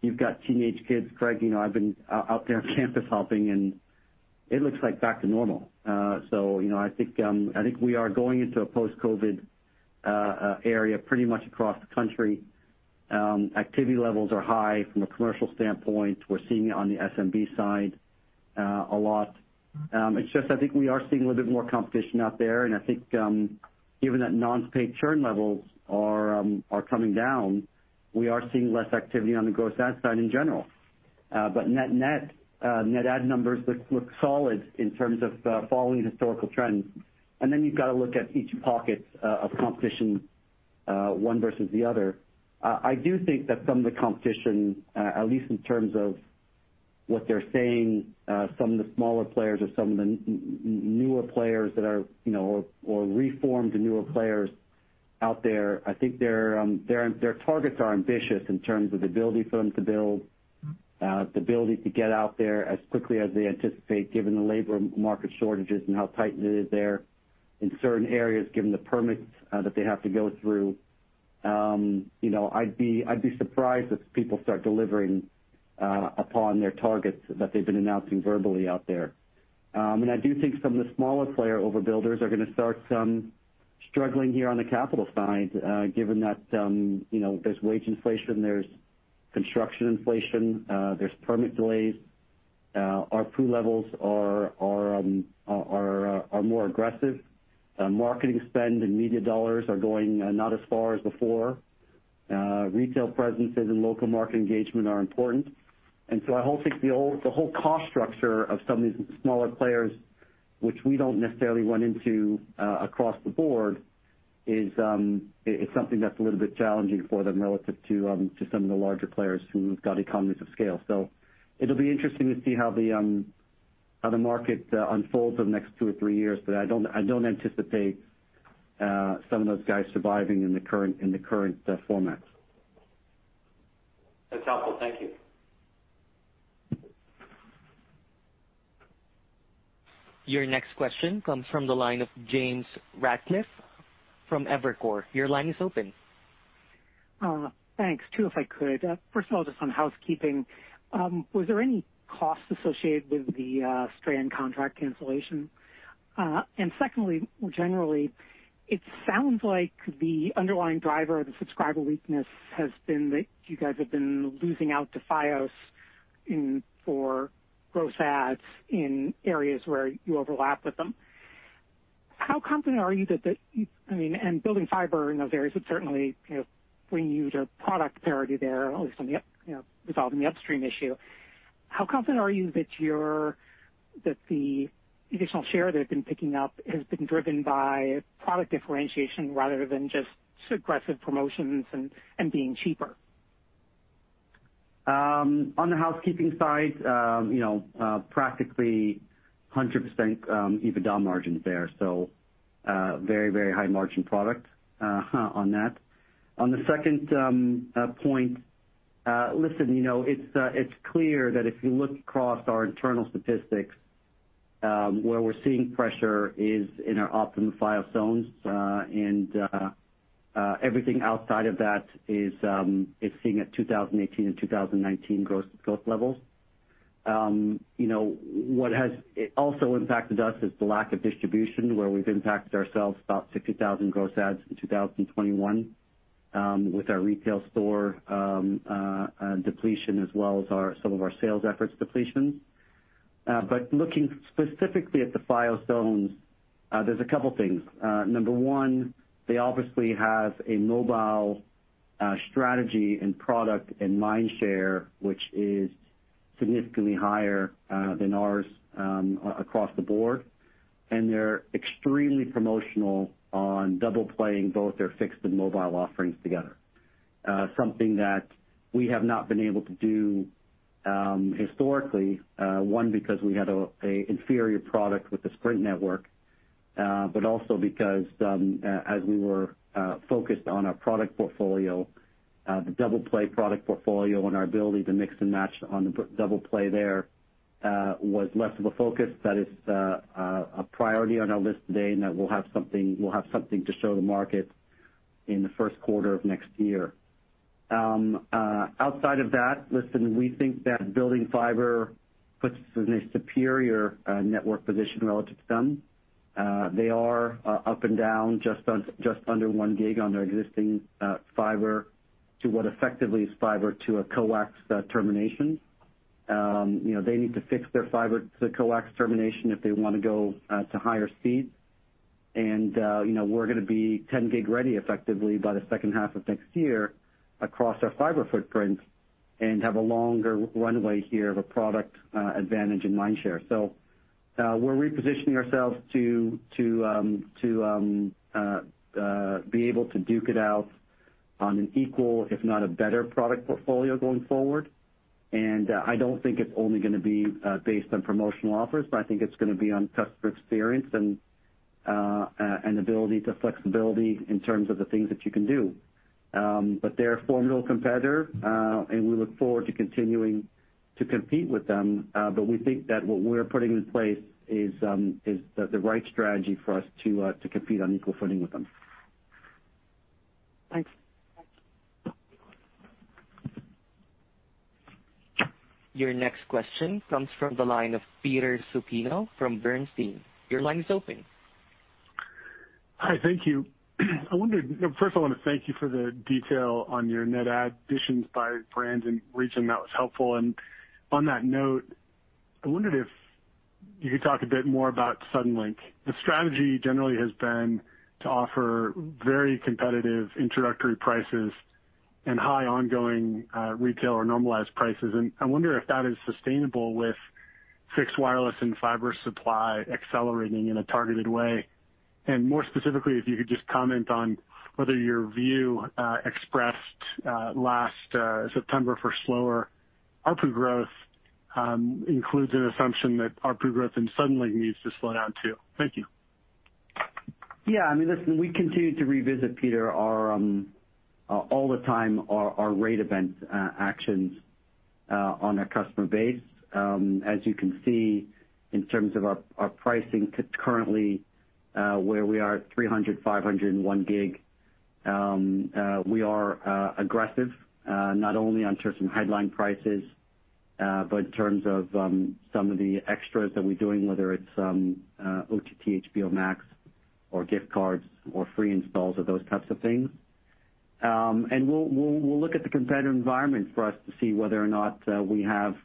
you've got teenage kids, Craig, you know, I've been out there on campus hopping, and it looks like back to normal. So, you know, I think I think we are going into a post-COVID era pretty much across the country. Activity levels are high from a commercial standpoint. We're seeing it on the SMB side, a lot. It's just I think we are seeing a little bit more competition out there, and I think, given that non-paid churn levels are coming down, we are seeing less activity on the gross add side in general. But net-net, net add numbers look solid in terms of following historical trends. Then you've got to look at each pocket of competition, one versus the other. I do think that some of the competition, at least in terms of what they're saying, some of the smaller players or some of the newer players that are, you know, or reformed newer players out there, I think their targets are ambitious in terms of the ability for them to build, the ability to get out there as quickly as they anticipate, given the labor market shortages and how tight it is there in certain areas, given the permits that they have to go through. You know, I'd be surprised if people start delivering upon their targets that they've been announcing verbally out there. I do think some of the smaller player overbuilders are gonna start struggling here on the capital side, given that, you know, there's wage inflation, there's construction inflation, there's permit delays. Our pre-levels are more aggressive. Marketing spend and media dollars are going not as far as before. Retail presences and local market engagement are important. I think the whole cost structure of some of these smaller players, which we don't necessarily run into across the board, is something that's a little bit challenging for them relative to some of the larger players who've got economies of scale. It’ll be interesting to see how the market unfolds over the next two or three years. I don't anticipate some of those guys surviving in the current formats. That's helpful. Thank you. Your next question comes from the line of James Ratcliffe from Evercore. Your line is open. Thanks. Two if I could. First of all, just on housekeeping, was there any cost associated with the Strand contract cancellation? Secondly, more generally, it sounds like the underlying driver of the subscriber weakness has been that you guys have been losing out to Fios for growth adds in areas where you overlap with them. How confident are you that—I mean, building fiber in those areas would certainly, you know, bring you to product parity there, at least on the upstream issue. How confident are you that the additional share that had been picking up has been driven by product differentiation rather than just aggressive promotions and being cheaper? On the housekeeping side, you know, practically 100% EBITDA margins there, so very, very high margin product on that. On the second point, listen, you know, it's clear that if you look across our internal statistics, where we're seeing pressure is in our Optimum Fios zones. Everything outside of that is seeing at 2018 and 2019 growth levels. You know, what has also impacted us is the lack of distribution, where we've impacted ourselves about 60,000 gross adds in 2021 with our retail store depletion, as well as some of our sales efforts depletions. Looking specifically at the Fios zones, there's a couple things. Number one, they obviously have a mobile strategy and product and mindshare, which is significantly higher than ours across the board. They're extremely promotional on double playing both their fixed and mobile offerings together. Something that we have not been able to do historically, one, because we had an inferior product with the Sprint network. But also because, as we were focused on our product portfolio, the Double Play product portfolio and our ability to mix and match on the Double Play there, was less of a focus. That is a priority on our list today, and that we'll have something to show the market in the first quarter of next year. Outside of that, listen, we think that building fiber puts us in a superior network position relative to them. They are up and down just under 1 Gb on their existing fiber to what effectively is fiber to a coax termination. You know, they need to fix their fiber to the coax termination if they wanna go to higher speeds. You know, we're gonna be 10 Gb ready effectively by the second half of next year across our fiber footprint and have a longer runway here of a product advantage and mindshare. We're repositioning ourselves to be able to duke it out on an equal if not a better product portfolio going forward. I don't think it's only gonna be based on promotional offers, but I think it's gonna be on customer experience and an ability to flexibility in terms of the things that you can do. They're a formidable competitor, and we look forward to continuing to compete with them. We think that what we're putting in place is the right strategy for us to compete on equal footing with them. Thanks. Your next question comes from the line of Peter Supino from Bernstein. Your line is open. Hi. Thank you. First, I wanna thank you for the detail on your net additions by brands and region. That was helpful. On that note, I wondered if you could talk a bit more about Suddenlink. The strategy generally has been to offer very competitive introductory prices and high ongoing retail or normalized prices. I wonder if that is sustainable with fixed wireless and fiber supply accelerating in a targeted way. More specifically, if you could just comment on whether your view expressed last September for slower ARPU growth includes an assumption that ARPU growth in Suddenlink needs to slow down too. Thank you. Yeah. I mean, listen, we continue to revisit, Peter, all the time our rate events actions on our customer base. As you can see in terms of our pricing today currently where we are at 300, 500, and 1 Gb, we are aggressive not only in terms of headline prices but in terms of some of the extras that we're doing, whether it's OTT HBO Max or gift cards or free installs or those types of things. We'll look at the competitive environment to see whether or not we have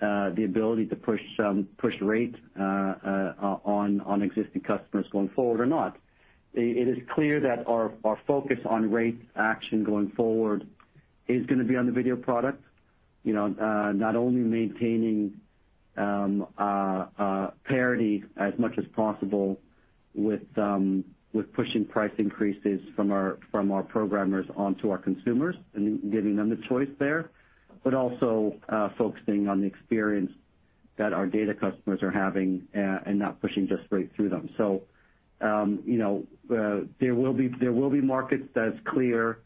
the ability to push rates on existing customers going forward or not. It is clear that our focus on rate action going forward is gonna be on the video product. You know, not only maintaining parity as much as possible with pushing price increases from our programmers onto our consumers and giving them the choice there, but also focusing on the experience that our data customers are having and not pushing just straight through them. You know, there will be markets. That's clear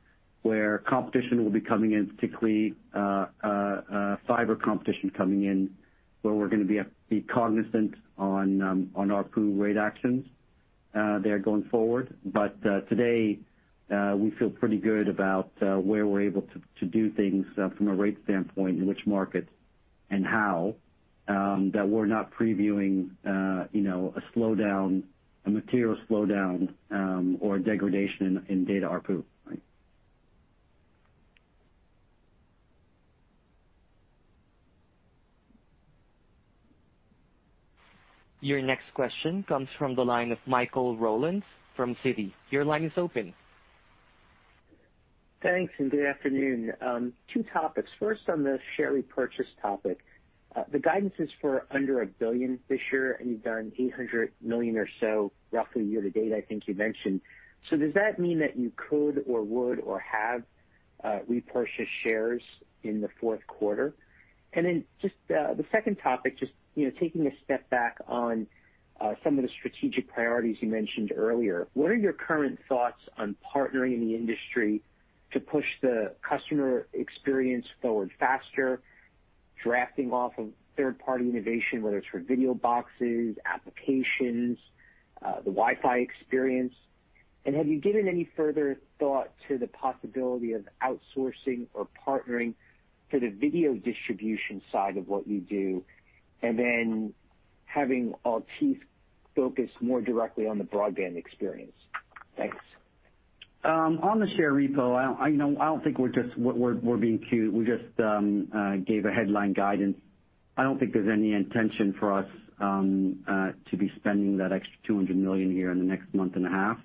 where competition will be coming in, particularly fiber competition coming in, where we're gonna be cognizant on ARPU rate actions there going forward. Today, we feel pretty good about where we're able to do things from a rate standpoint in which markets and how that we're not previewing, you know, a slowdown, a material slowdown, or degradation in data ARPU. Your next question comes from the line of Michael Rollins from Citi. Your line is open. Thanks, good afternoon. Two topics. First, on the share repurchase topic. The guidance is for under $1 billion this year, and you've done $800 million or so roughly year to date, I think you mentioned. Does that mean that you could or would or have repurchased shares in the fourth quarter? And then just the second topic, just you know, taking a step back on some of the strategic priorities you mentioned earlier. What are your current thoughts on partnering in the industry to push the customer experience forward faster, drafting off of third-party innovation, whether it's for video boxes, applications, the Wi-Fi experience? And have you given any further thought to the possibility of outsourcing or partnering for the video distribution side of what you do and then having Altice focus more directly on the broadband experience? Thanks. On the share repo, you know, I don't think we're being cute. We just gave a headline guidance. I don't think there's any intention for us to be spending that extra $200 million here in the next month and a half.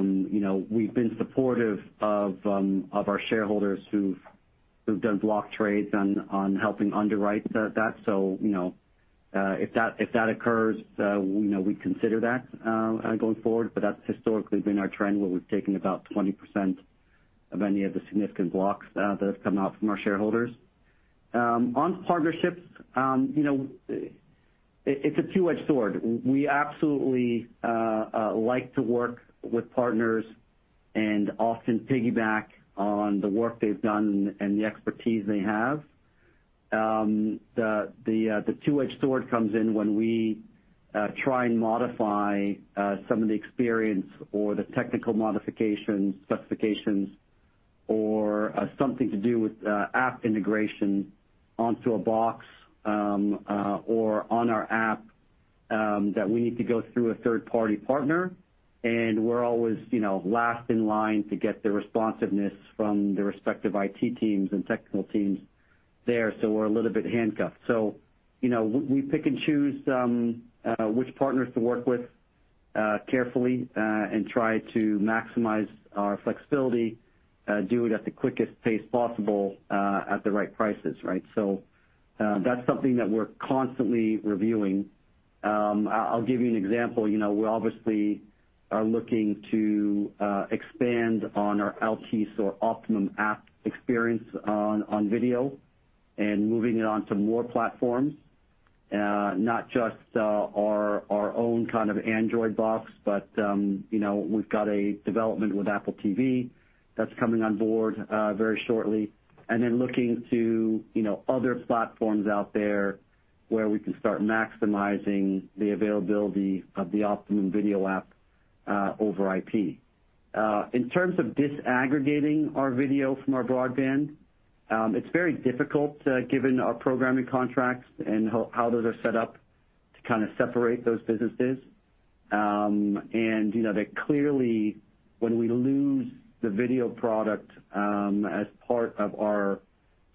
You know, we've been supportive of our shareholders who've done block trades on helping underwrite that. You know, if that occurs, we consider that going forward. That's historically been our trend, where we've taken about 20% of any of the significant blocks that have come out from our shareholders. On partnerships, you know, it's a two-edged sword. We absolutely like to work with partners and often piggyback on the work they've done and the expertise they have. The two-edged sword comes in when we try and modify some of the experience or the technical modifications, specifications, or something to do with app integration onto a box or on our app that we need to go through a third-party partner, and we're always, you know, last in line to get the responsiveness from the respective IT teams and technical teams there. We're a little bit handcuffed. You know, we pick and choose which partners to work with carefully and try to maximize our flexibility, do it at the quickest pace possible at the right prices, right? That's something that we're constantly reviewing. I'll give you an example. You know, we obviously are looking to expand on our Altice or Optimum app experience on video and moving it on to more platforms, not just our own kind of Android box, but you know, we've got a development with Apple TV that's coming on board very shortly, and then looking to other platforms out there where we can start maximizing the availability of the Optimum video app over IP. In terms of disaggregating our video from our broadband, it's very difficult given our programming contracts and how those are set up to kind of separate those businesses. You know, that clearly when we lose the video product as part of our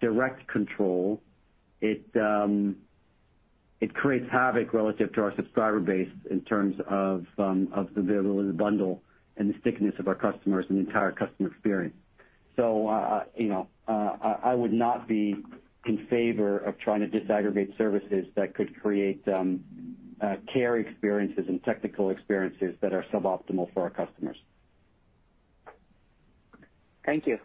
direct control, it creates havoc relative to our subscriber base in terms of the availability of the bundle and the stickiness of our customers and the entire customer experience. You know, I would not be in favor of trying to disaggregate services that could create care experiences and technical experiences that are suboptimal for our customers. Thank you.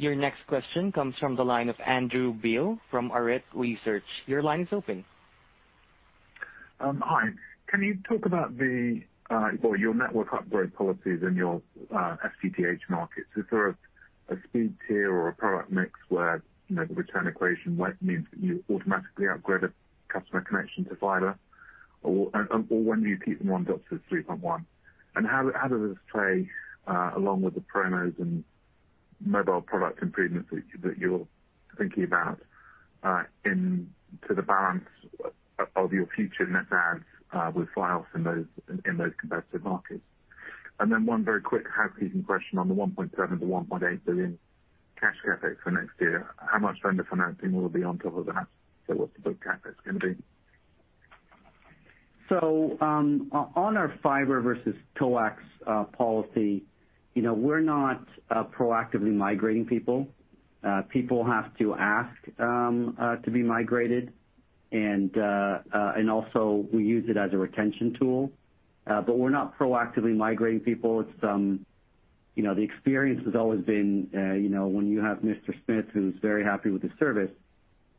Your next question comes from the line of Andrew Beale from Arete Research. Your line is open. Hi. Can you talk about the, well, your network upgrade policies in your FTTH markets? Is there a speed tier or a product mix where, you know, the return equation we mean that you automatically upgrade a customer connection to fiber or when do you keep them on DOCSIS 3.1? How does this play along with the promos and mobile product improvements that you're thinking about into the balance of your future net adds with Fios in those competitive markets? One very quick housekeeping question on the $1.7 billion-$1.8 billion cash CapEx for next year, how much vendor financing will be on top of that? What's the book CapEx gonna be? On our fiber versus coax policy, you know, we're not proactively migrating people. People have to ask to be migrated, and also we use it as a retention tool. But we're not proactively migrating people. It's you know, the experience has always been, you know, when you have Mr. Smith who's very happy with the service,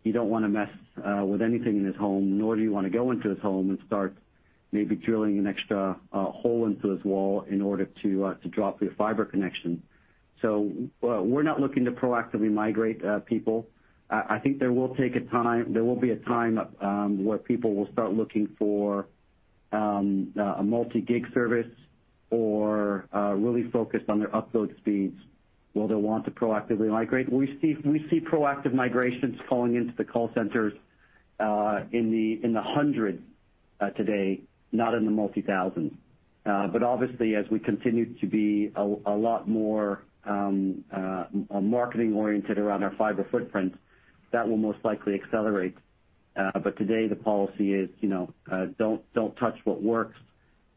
you don't wanna mess with anything in his home, nor do you wanna go into his home and start maybe drilling an extra hole into his wall in order to drop your fiber connection. We're not looking to proactively migrate people. I think there will be a time where people will start looking for a multi-gig service or really focused on their upload speeds where they'll want to proactively migrate. We see proactive migrations calling into the call centers in the hundreds today, not in the multi-thousands. Obviously, as we continue to be a lot more marketing oriented around our fiber footprint, that will most likely accelerate. Today the policy is, you know, don't touch what works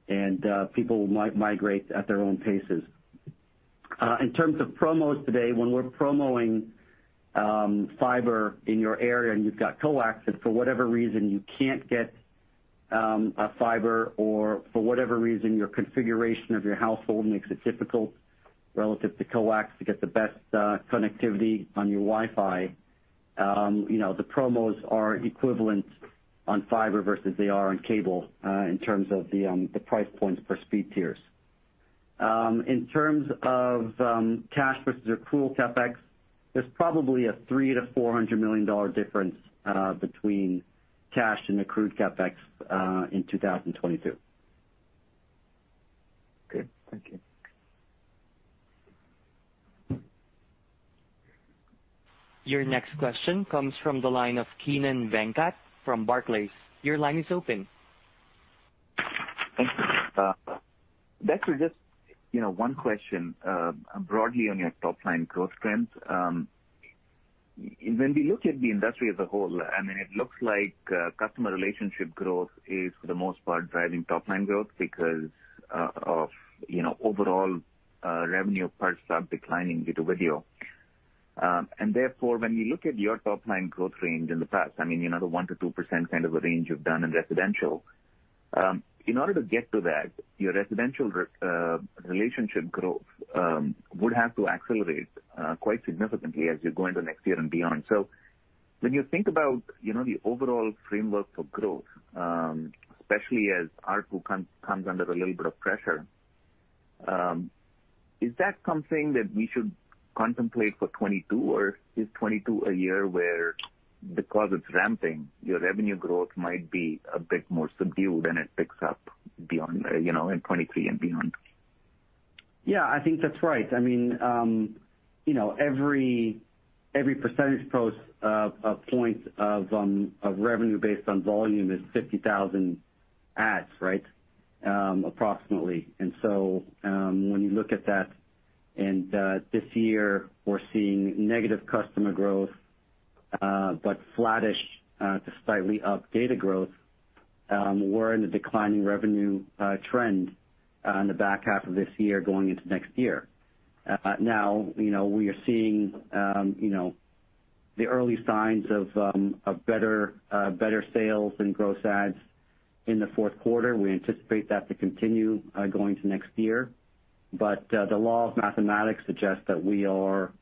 and people will migrate at their own paces. In terms of promos today, when we're promoting fiber in your area and you've got coax, and for whatever reason you can't get a fiber or for whatever reason your configuration of your household makes it difficult relative to coax to get the best connectivity on your Wi-Fi, you know, the promos are equivalent on fiber versus they are on cable, in terms of the price points for speed tiers. In terms of cash versus accrual CapEx, there's probably a $300 million-$400 million difference between cash and accrued CapEx in 2022. Okay. Thank you. Your next question comes from the line of Kannan Venkateshwar from Barclays. Your line is open. Thank you. Dexter, just, you know, one question, broadly on your top line growth trends. When we look at the industry as a whole, I mean, it looks like customer relationship growth is for the most part driving top line growth because of, you know, overall, revenue parts are declining due to video. Therefore, when you look at your top line growth range in the past, I mean, you know, the 1%-2% kind of a range you've done in residential. In order to get to that, your residential relationship growth would have to accelerate quite significantly as you go into next year and beyond. When you think about, you know, the overall framework for growth, especially as ARPU comes under a little bit of pressure, is that something that we should contemplate for 2022? Or is 2022 a year where because it's ramping, your revenue growth might be a bit more subdued, and it picks up beyond, you know, in 2023 and beyond? Yeah, I think that's right. I mean, you know, every percentage point of revenue based on volume is 50,000 adds, right, approximately. When you look at that and this year we're seeing negative customer growth, but flattish to slightly up data growth, we're in a declining revenue trend in the back half of this year going into next year. Now, you know, we are seeing you know the early signs of a better sales and gross adds in the fourth quarter. We anticipate that to continue going to next year. The law of mathematics suggests that we are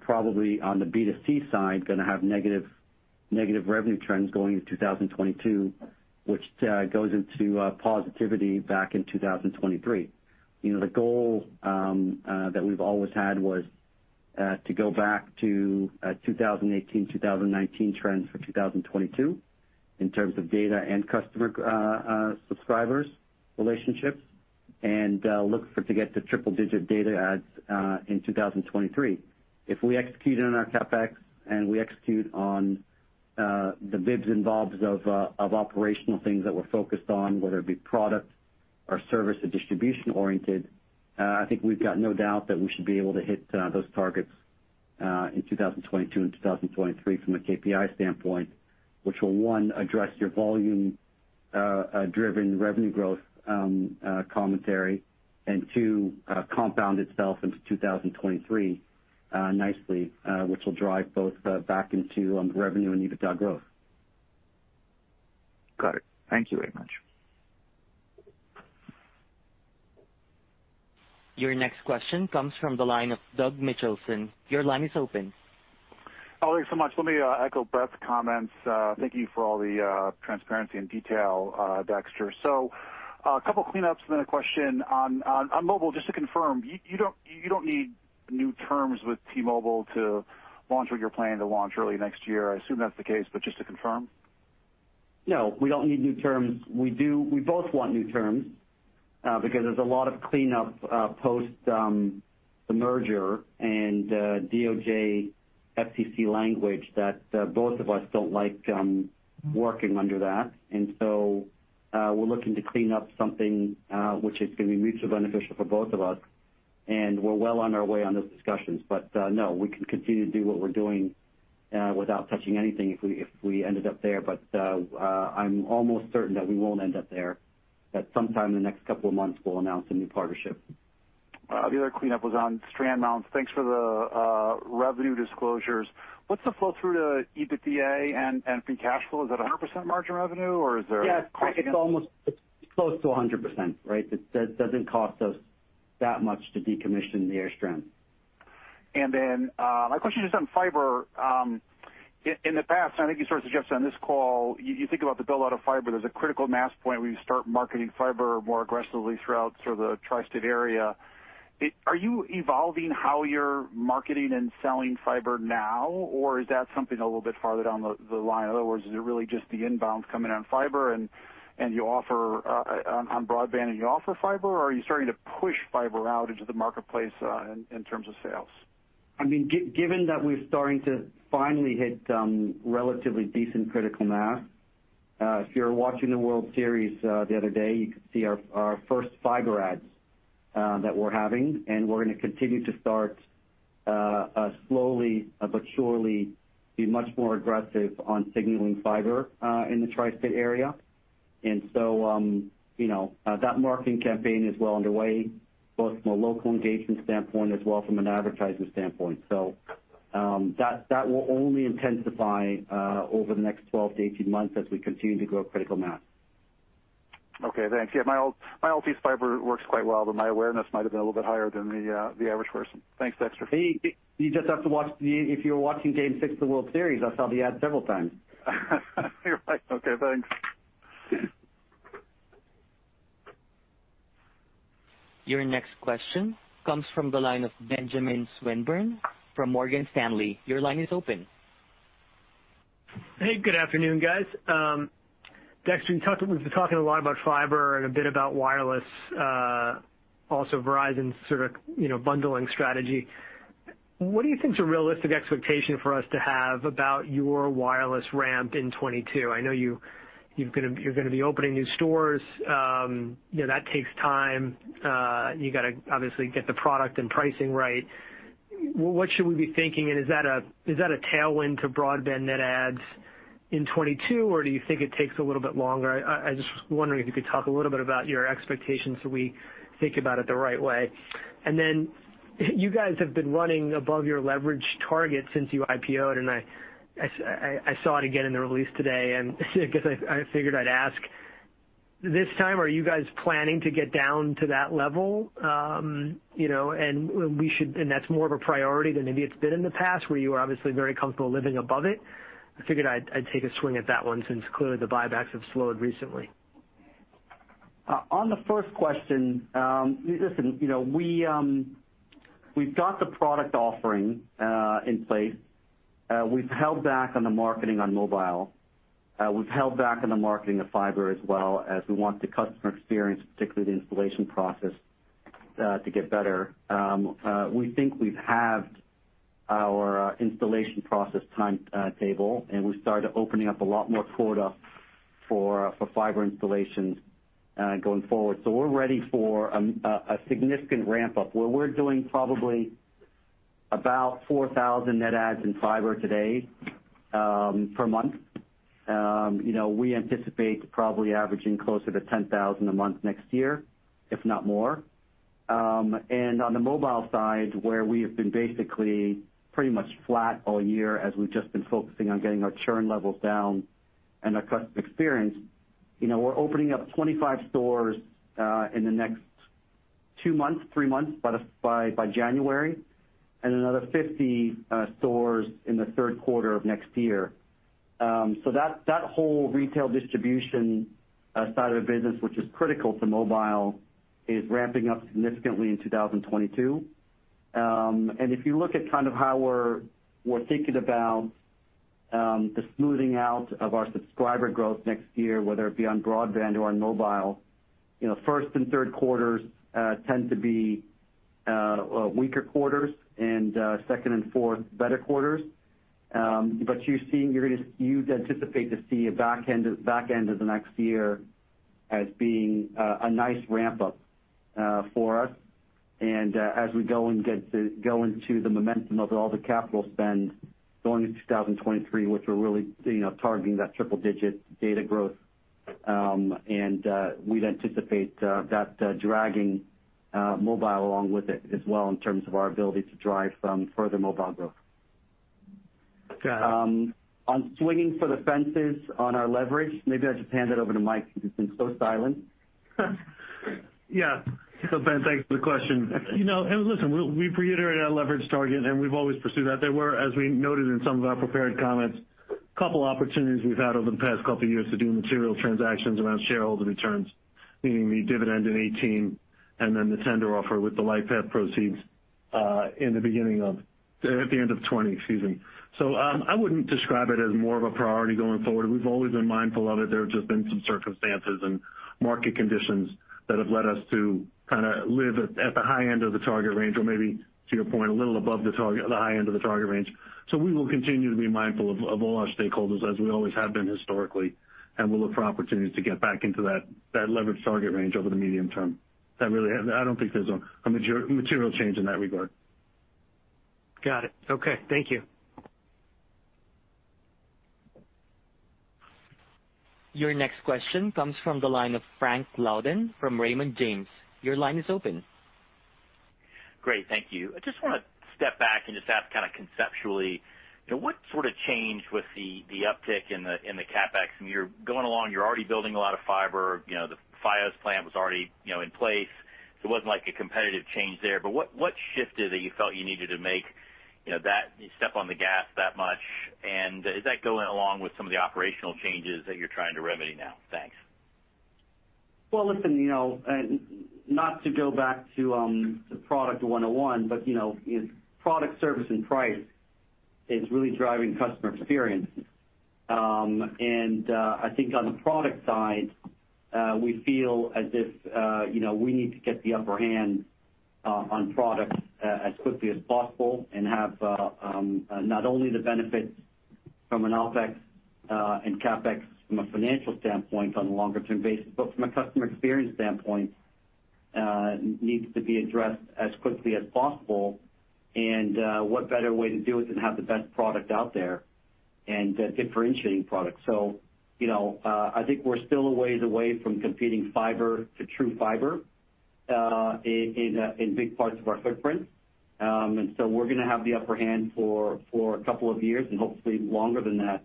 probably on the B2C side gonna have negative revenue trends going into 2022, which goes into positivity back in 2023. You know, the goal that we've always had was to go back to 2018, 2019 trends for 2022 in terms of data and customer subscribers relationships, and look for to get to triple digit data adds in 2023. If we execute on our CapEx and we execute on the bits and bobs of operational things that we're focused on, whether it be product or service or distribution oriented, I think we've got no doubt that we should be able to hit those targets in 2022 and 2023 from a KPI standpoint, which will, one, address your volume driven revenue growth commentary, and two, compound itself into 2023 nicely, which will drive both back into revenue and EBITDA growth. Got it. Thank you very much. Your next question comes from the line of Doug Mitchelson. Your line is open. Hi, thanks so much. Let me echo Brett's comments. Thank you for all the transparency and detail, Dexter. A couple cleanups, then a question. On mobile, just to confirm, you don't need new terms with T-Mobile to launch what you're planning to launch early next year. I assume that's the case, but just to confirm. No, we don't need new terms. We both want new terms because there's a lot of cleanup post the merger and DOJ, FCC language that both of us don't like working under that. We're looking to clean up something which is gonna be mutually beneficial for both of us, and we're well on our way on those discussions. No, we can continue to do what we're doing without touching anything if we ended up there. I'm almost certain that we won't end up there, that sometime in the next couple of months we'll announce a new partnership. The other cleanup was on strand mounts. Thanks for the revenue disclosures. What's the flow through to EBITDA and free cash flow? Is it 100% margin revenue or is there- Yeah. It's close to 100%, right? It doesn't cost us that much to decommission the AirStrand. My question is on fiber. In the past, and I think you sort of suggested on this call, you think about the build out of fiber, there's a critical mass point where you start marketing fiber more aggressively throughout sort of the tri-state area. Are you evolving how you're marketing and selling fiber now, or is that something a little bit farther down the line? In other words, is it really just the inbounds coming on fiber and you offer on broadband and you offer fiber? Or are you starting to push fiber out into the marketplace in terms of sales? I mean, given that we're starting to finally hit relatively decent critical mass, if you were watching the World Series the other day, you could see our first fiber ads that we're having. We're gonna continue to start slowly but surely be much more aggressive on signaling fiber in the tri-state area. You know that marketing campaign is well underway, both from a local engagement standpoint as well from an advertising standpoint. That will only intensify over the next 12-18 months as we continue to grow critical mass. Okay, thanks. Yeah, my Altice fiber works quite well, but my awareness might have been a little bit higher than the average person. Thanks, Dexter. If you were watching game six of the World Series, I saw the ad several times. You're right. Okay, thanks. Your next question comes from the line of Benjamin Swinburne from Morgan Stanley. Your line is open. Hey, good afternoon, guys. Dexter, we've been talking a lot about fiber and a bit about wireless, also Verizon's sort of bundling strategy. What do you think is a realistic expectation for us to have about your wireless ramp in 2022? I know you're gonna be opening new stores. That takes time. You got to obviously get the product and pricing right. What should we be thinking? Is that a tailwind to broadband net adds? In 2022, or do you think it takes a little bit longer? I just was wondering if you could talk a little bit about your expectations so we think about it the right way. You guys have been running above your leverage target since you IPO-ed, and I saw it again in the release today, and I guess I figured I'd ask. This time, are you guys planning to get down to that level? That's more of a priority than maybe it's been in the past where you were obviously very comfortable living above it. I figured I'd take a swing at that one since clearly the buybacks have slowed recently. On the first question, listen, you know, we've got the product offering in place. We've held back on the marketing on mobile. We've held back on the marketing of fiber as well as we want the customer experience, particularly the installation process to get better. We think we've halved our installation process timetable, and we've started opening up a lot more quota for fiber installations going forward. We're ready for a significant ramp up where we're doing probably about 4,000 net adds in fiber today per month. You know, we anticipate probably averaging closer to 10,000 a month next year, if not more. On the mobile side, where we have been basically pretty much flat all year as we've just been focusing on getting our churn levels down and our customer experience, you know, we're opening up 25 stores in the next two months, three months by January, and another 50 stores in the third quarter of next year. That whole retail distribution side of the business, which is critical to mobile, is ramping up significantly in 2022. If you look at kind of how we're thinking about the smoothing out of our subscriber growth next year, whether it be on broadband or on mobile, you know, first and third quarters tend to be weaker quarters and second and fourth, better quarters. You'd anticipate to see a back end of the next year as being a nice ramp up for us. As we go into the momentum of all the capital spend going into 2023, which we're really, you know, targeting that triple-digit data growth. We'd anticipate that dragging mobile along with it as well in terms of our ability to drive some further mobile growth. Got it. On swinging for the fences on our leverage, maybe I'll just hand it over to Mike since he's been so silent. Yeah. Ben, thanks for the question. You know, and listen, we've reiterated our leverage target, and we've always pursued that. There were, as we noted in some of our prepared comments, a couple opportunities we've had over the past couple years to do material transactions around shareholder returns, meaning the dividend in 2018 and then the tender offer with the Lightpath proceeds at the end of 2020, excuse me. I wouldn't describe it as more of a priority going forward. We've always been mindful of it. There have just been some circumstances and market conditions that have led us to kinda live at the high end of the target range or maybe, to your point, a little above the high end of the target range. We will continue to be mindful of all our stakeholders as we always have been historically, and we'll look for opportunities to get back into that leverage target range over the medium term. I don't think there's a material change in that regard. Got it. Okay. Thank you. Your next question comes from the line of Frank Louthan from Raymond James. Your line is open. Great. Thank you. I just wanna step back and just ask kinda conceptually, you know, what sort of changed with the uptick in the, in the CapEx? I mean, you're going along, you're already building a lot of fiber. You know, the Fios plan was already, you know, in place. So it wasn't like a competitive change there. But what shifted that you felt you needed to make, you know, that step on the gas that much? And is that going along with some of the operational changes that you're trying to remedy now? Thanks. Well, listen, you know, not to go back to product 101, but, you know, it's product, service, and price really driving customer experience. I think on the product side, we feel as if, you know, we need to get the upper hand on products as quickly as possible and have not only the benefits from an OpEx and CapEx from a financial standpoint on a longer term basis, but from a customer experience standpoint needs to be addressed as quickly as possible. What better way to do it than have the best product out there and a differentiating product. You know, I think we're still a ways away from competing fiber to true fiber in big parts of our footprint. We're gonna have the upper hand for a couple of years, and hopefully longer than that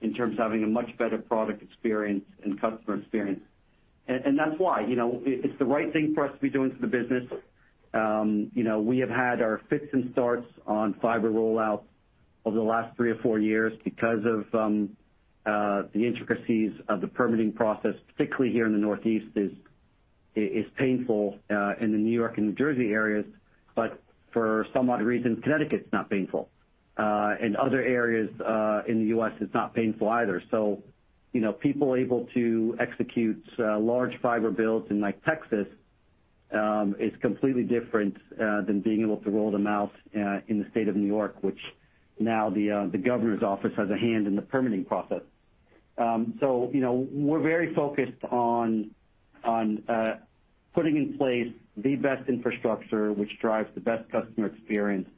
in terms of having a much better product experience and customer experience. That's why, you know, it's the right thing for us to be doing for the business. You know, we have had our fits and starts on fiber rollout over the last three or four years because of the intricacies of the permitting process, particularly here in the Northeast is painful in the New York and New Jersey areas. For some odd reason, Connecticut's not painful. Other areas in the U.S., it's not painful either. You know, people able to execute large fiber builds in like Texas is completely different than being able to roll them out in the state of New York, which now the governor's office has a hand in the permitting process. You know, we're very focused on putting in place the best infrastructure which drives the best customer experience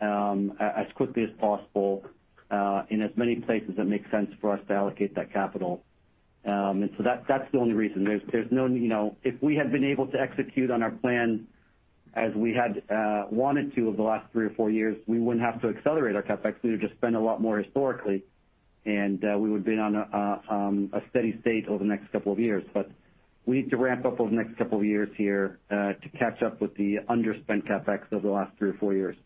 as quickly as possible in as many places that make sense for us to allocate that capital. That's the only reason. There's no, you know, if we had been able to execute on our plan as we had wanted to over the last three or four years, we wouldn't have to accelerate our CapEx. We would just spend a lot more historically, and we would have been on a steady state over the next couple of years. We need to ramp up over the next couple of years here to catch up with the underspent CapEx over the last three or four years.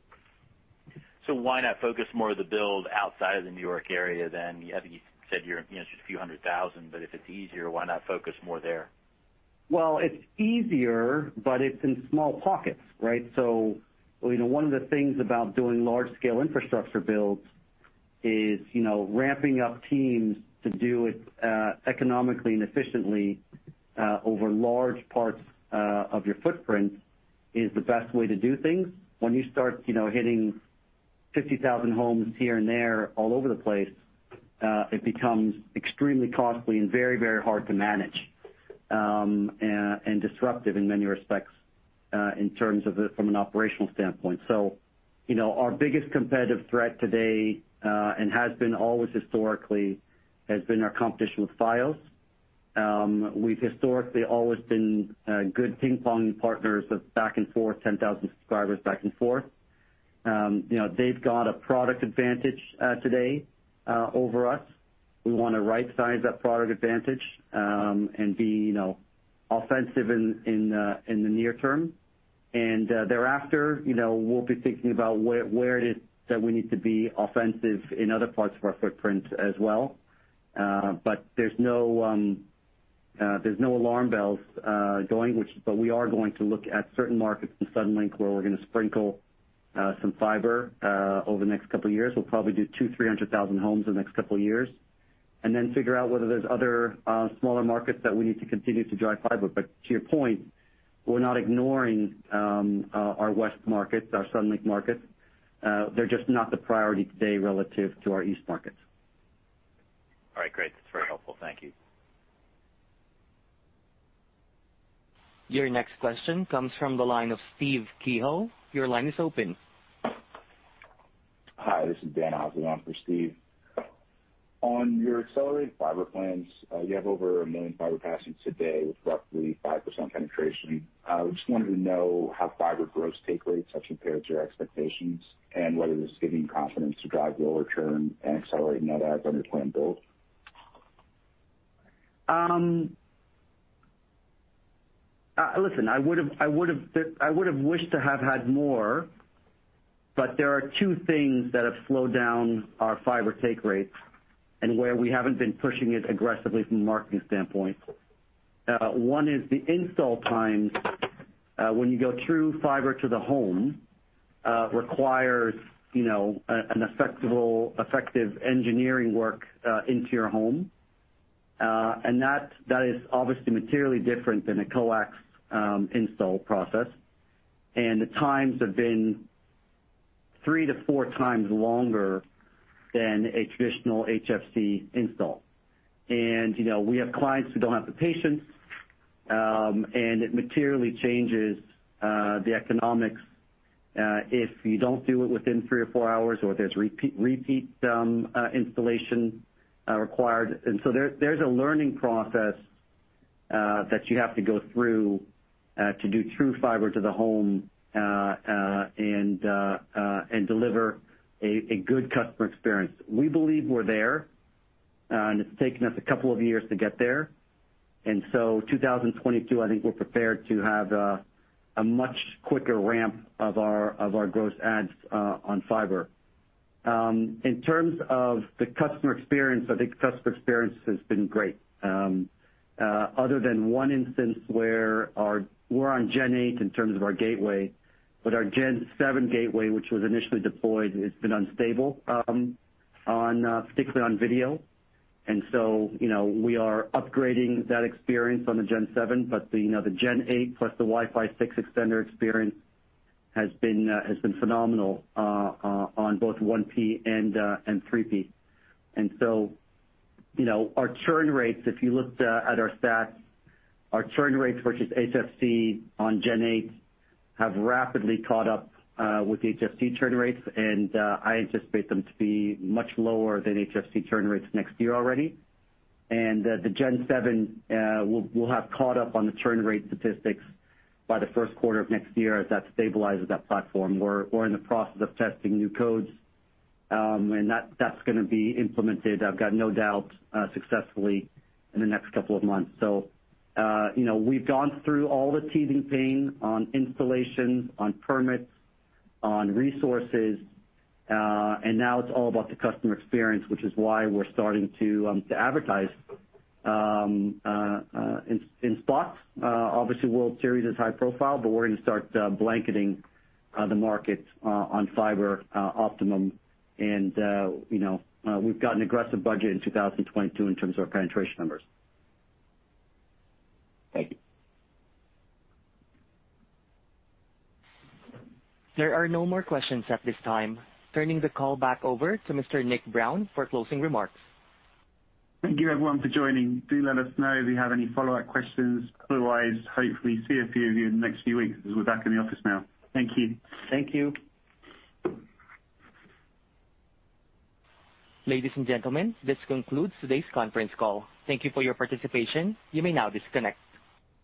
Why not focus more of the build outside of the New York area then? I think you said you're, you know, just a few hundred thousand, but if it's easier, why not focus more there? Well, it's easier, but it's in small pockets, right? You know, one of the things about doing large scale infrastructure builds is, you know, ramping up teams to do it, economically and efficiently, over large parts, of your footprint is the best way to do things. When you start, you know, hitting 50,000 homes here and there all over the place, it becomes extremely costly and very, very hard to manage, and disruptive in many respects, in terms of it from an operational standpoint. You know, our biggest competitive threat today, and has been always historically, has been our competition with Fios. We've historically always been, good ping-pong partners of back and forth, 10,000 subscribers back and forth. You know, they've got a product advantage, today, over us. We wanna right-size that product advantage, and be, you know, offensive in the near term. Thereafter, you know, we'll be thinking about where it is that we need to be offensive in other parts of our footprint as well. There's no alarm bells. We are going to look at certain markets in Suddenlink where we're gonna sprinkle some fiber over the next couple of years. We'll probably do 200,000-300,000 homes in the next couple of years, and then figure out whether there's other smaller markets that we need to continue to drive fiber. To your point, we're not ignoring our west markets, our Suddenlink markets. They're just not the priority today relative to our east markets. All right. Great. That's very helpful. Thank you. Your next question comes from the line of Steven Cahall. Your line is open. Hi, this is Dan Hausman for Steve. On your accelerated fiber plans, you have over one million fiber passings today with roughly 5% penetration. Just wanted to know how fiber gross take rates have compared to your expectations and whether this is giving you confidence to drive lower churn and accelerated net adds on your planned build. Listen, I would've wished to have had more, but there are two things that have slowed down our fiber take rates and where we haven't been pushing it aggressively from a marketing standpoint. One is the install times, when you go true fiber to the home, requires, you know, effective engineering work into your home. That is obviously materially different than a coax install process. The times have been three-four times longer than a traditional HFC install. You know, we have clients who don't have the patience, and it materially changes the economics, if you don't do it within three or four hours or there's repeat installation required. There's a learning process that you have to go through to do true fiber to the home and deliver a good customer experience. We believe we're there, and it's taken us a couple of years to get there. In 2022, I think we're prepared to have a much quicker ramp of our gross adds on fiber. In terms of the customer experience, I think the customer experience has been great, other than one instance where we're on Gen 8 in terms of our gateway. Our Gen 7 gateway, which was initially deployed, it's been unstable, particularly on video. You know, we are upgrading that experience on the Gen 7. You know, the Gen 8 plus the Wi-Fi 6 extender experience has been phenomenal on both 1P and 3P. You know, our churn rates, if you looked at our stats, our churn rates versus HFC on Gen 8 have rapidly caught up with the HFC churn rates, and I anticipate them to be much lower than HFC churn rates next year already. The Gen 7 will have caught up on the churn rate statistics by the first quarter of next year as that stabilizes that platform. We're in the process of testing new codes, and that's gonna be implemented. I've got no doubt it will be successfully in the next couple of months. You know, we've gone through all the teething pain on installations, on permits, on resources, and now it's all about the customer experience, which is why we're starting to advertise in spots. Obviously, World Series is high profile, but we're gonna start blanketing the market on fiber Optimum. You know, we've got an aggressive budget in 2022 in terms of our penetration numbers. Thank you. There are no more questions at this time. Turning the call back over to Mr. Nick Brown for closing remarks. Thank you everyone for joining. Do let us know if you have any follow-up questions. Otherwise, hopefully see a few of you in the next few weeks as we're back in the office now. Thank you. Thank you. Ladies and gentlemen, this concludes today's conference call. Thank you for your participation. You may now disconnect.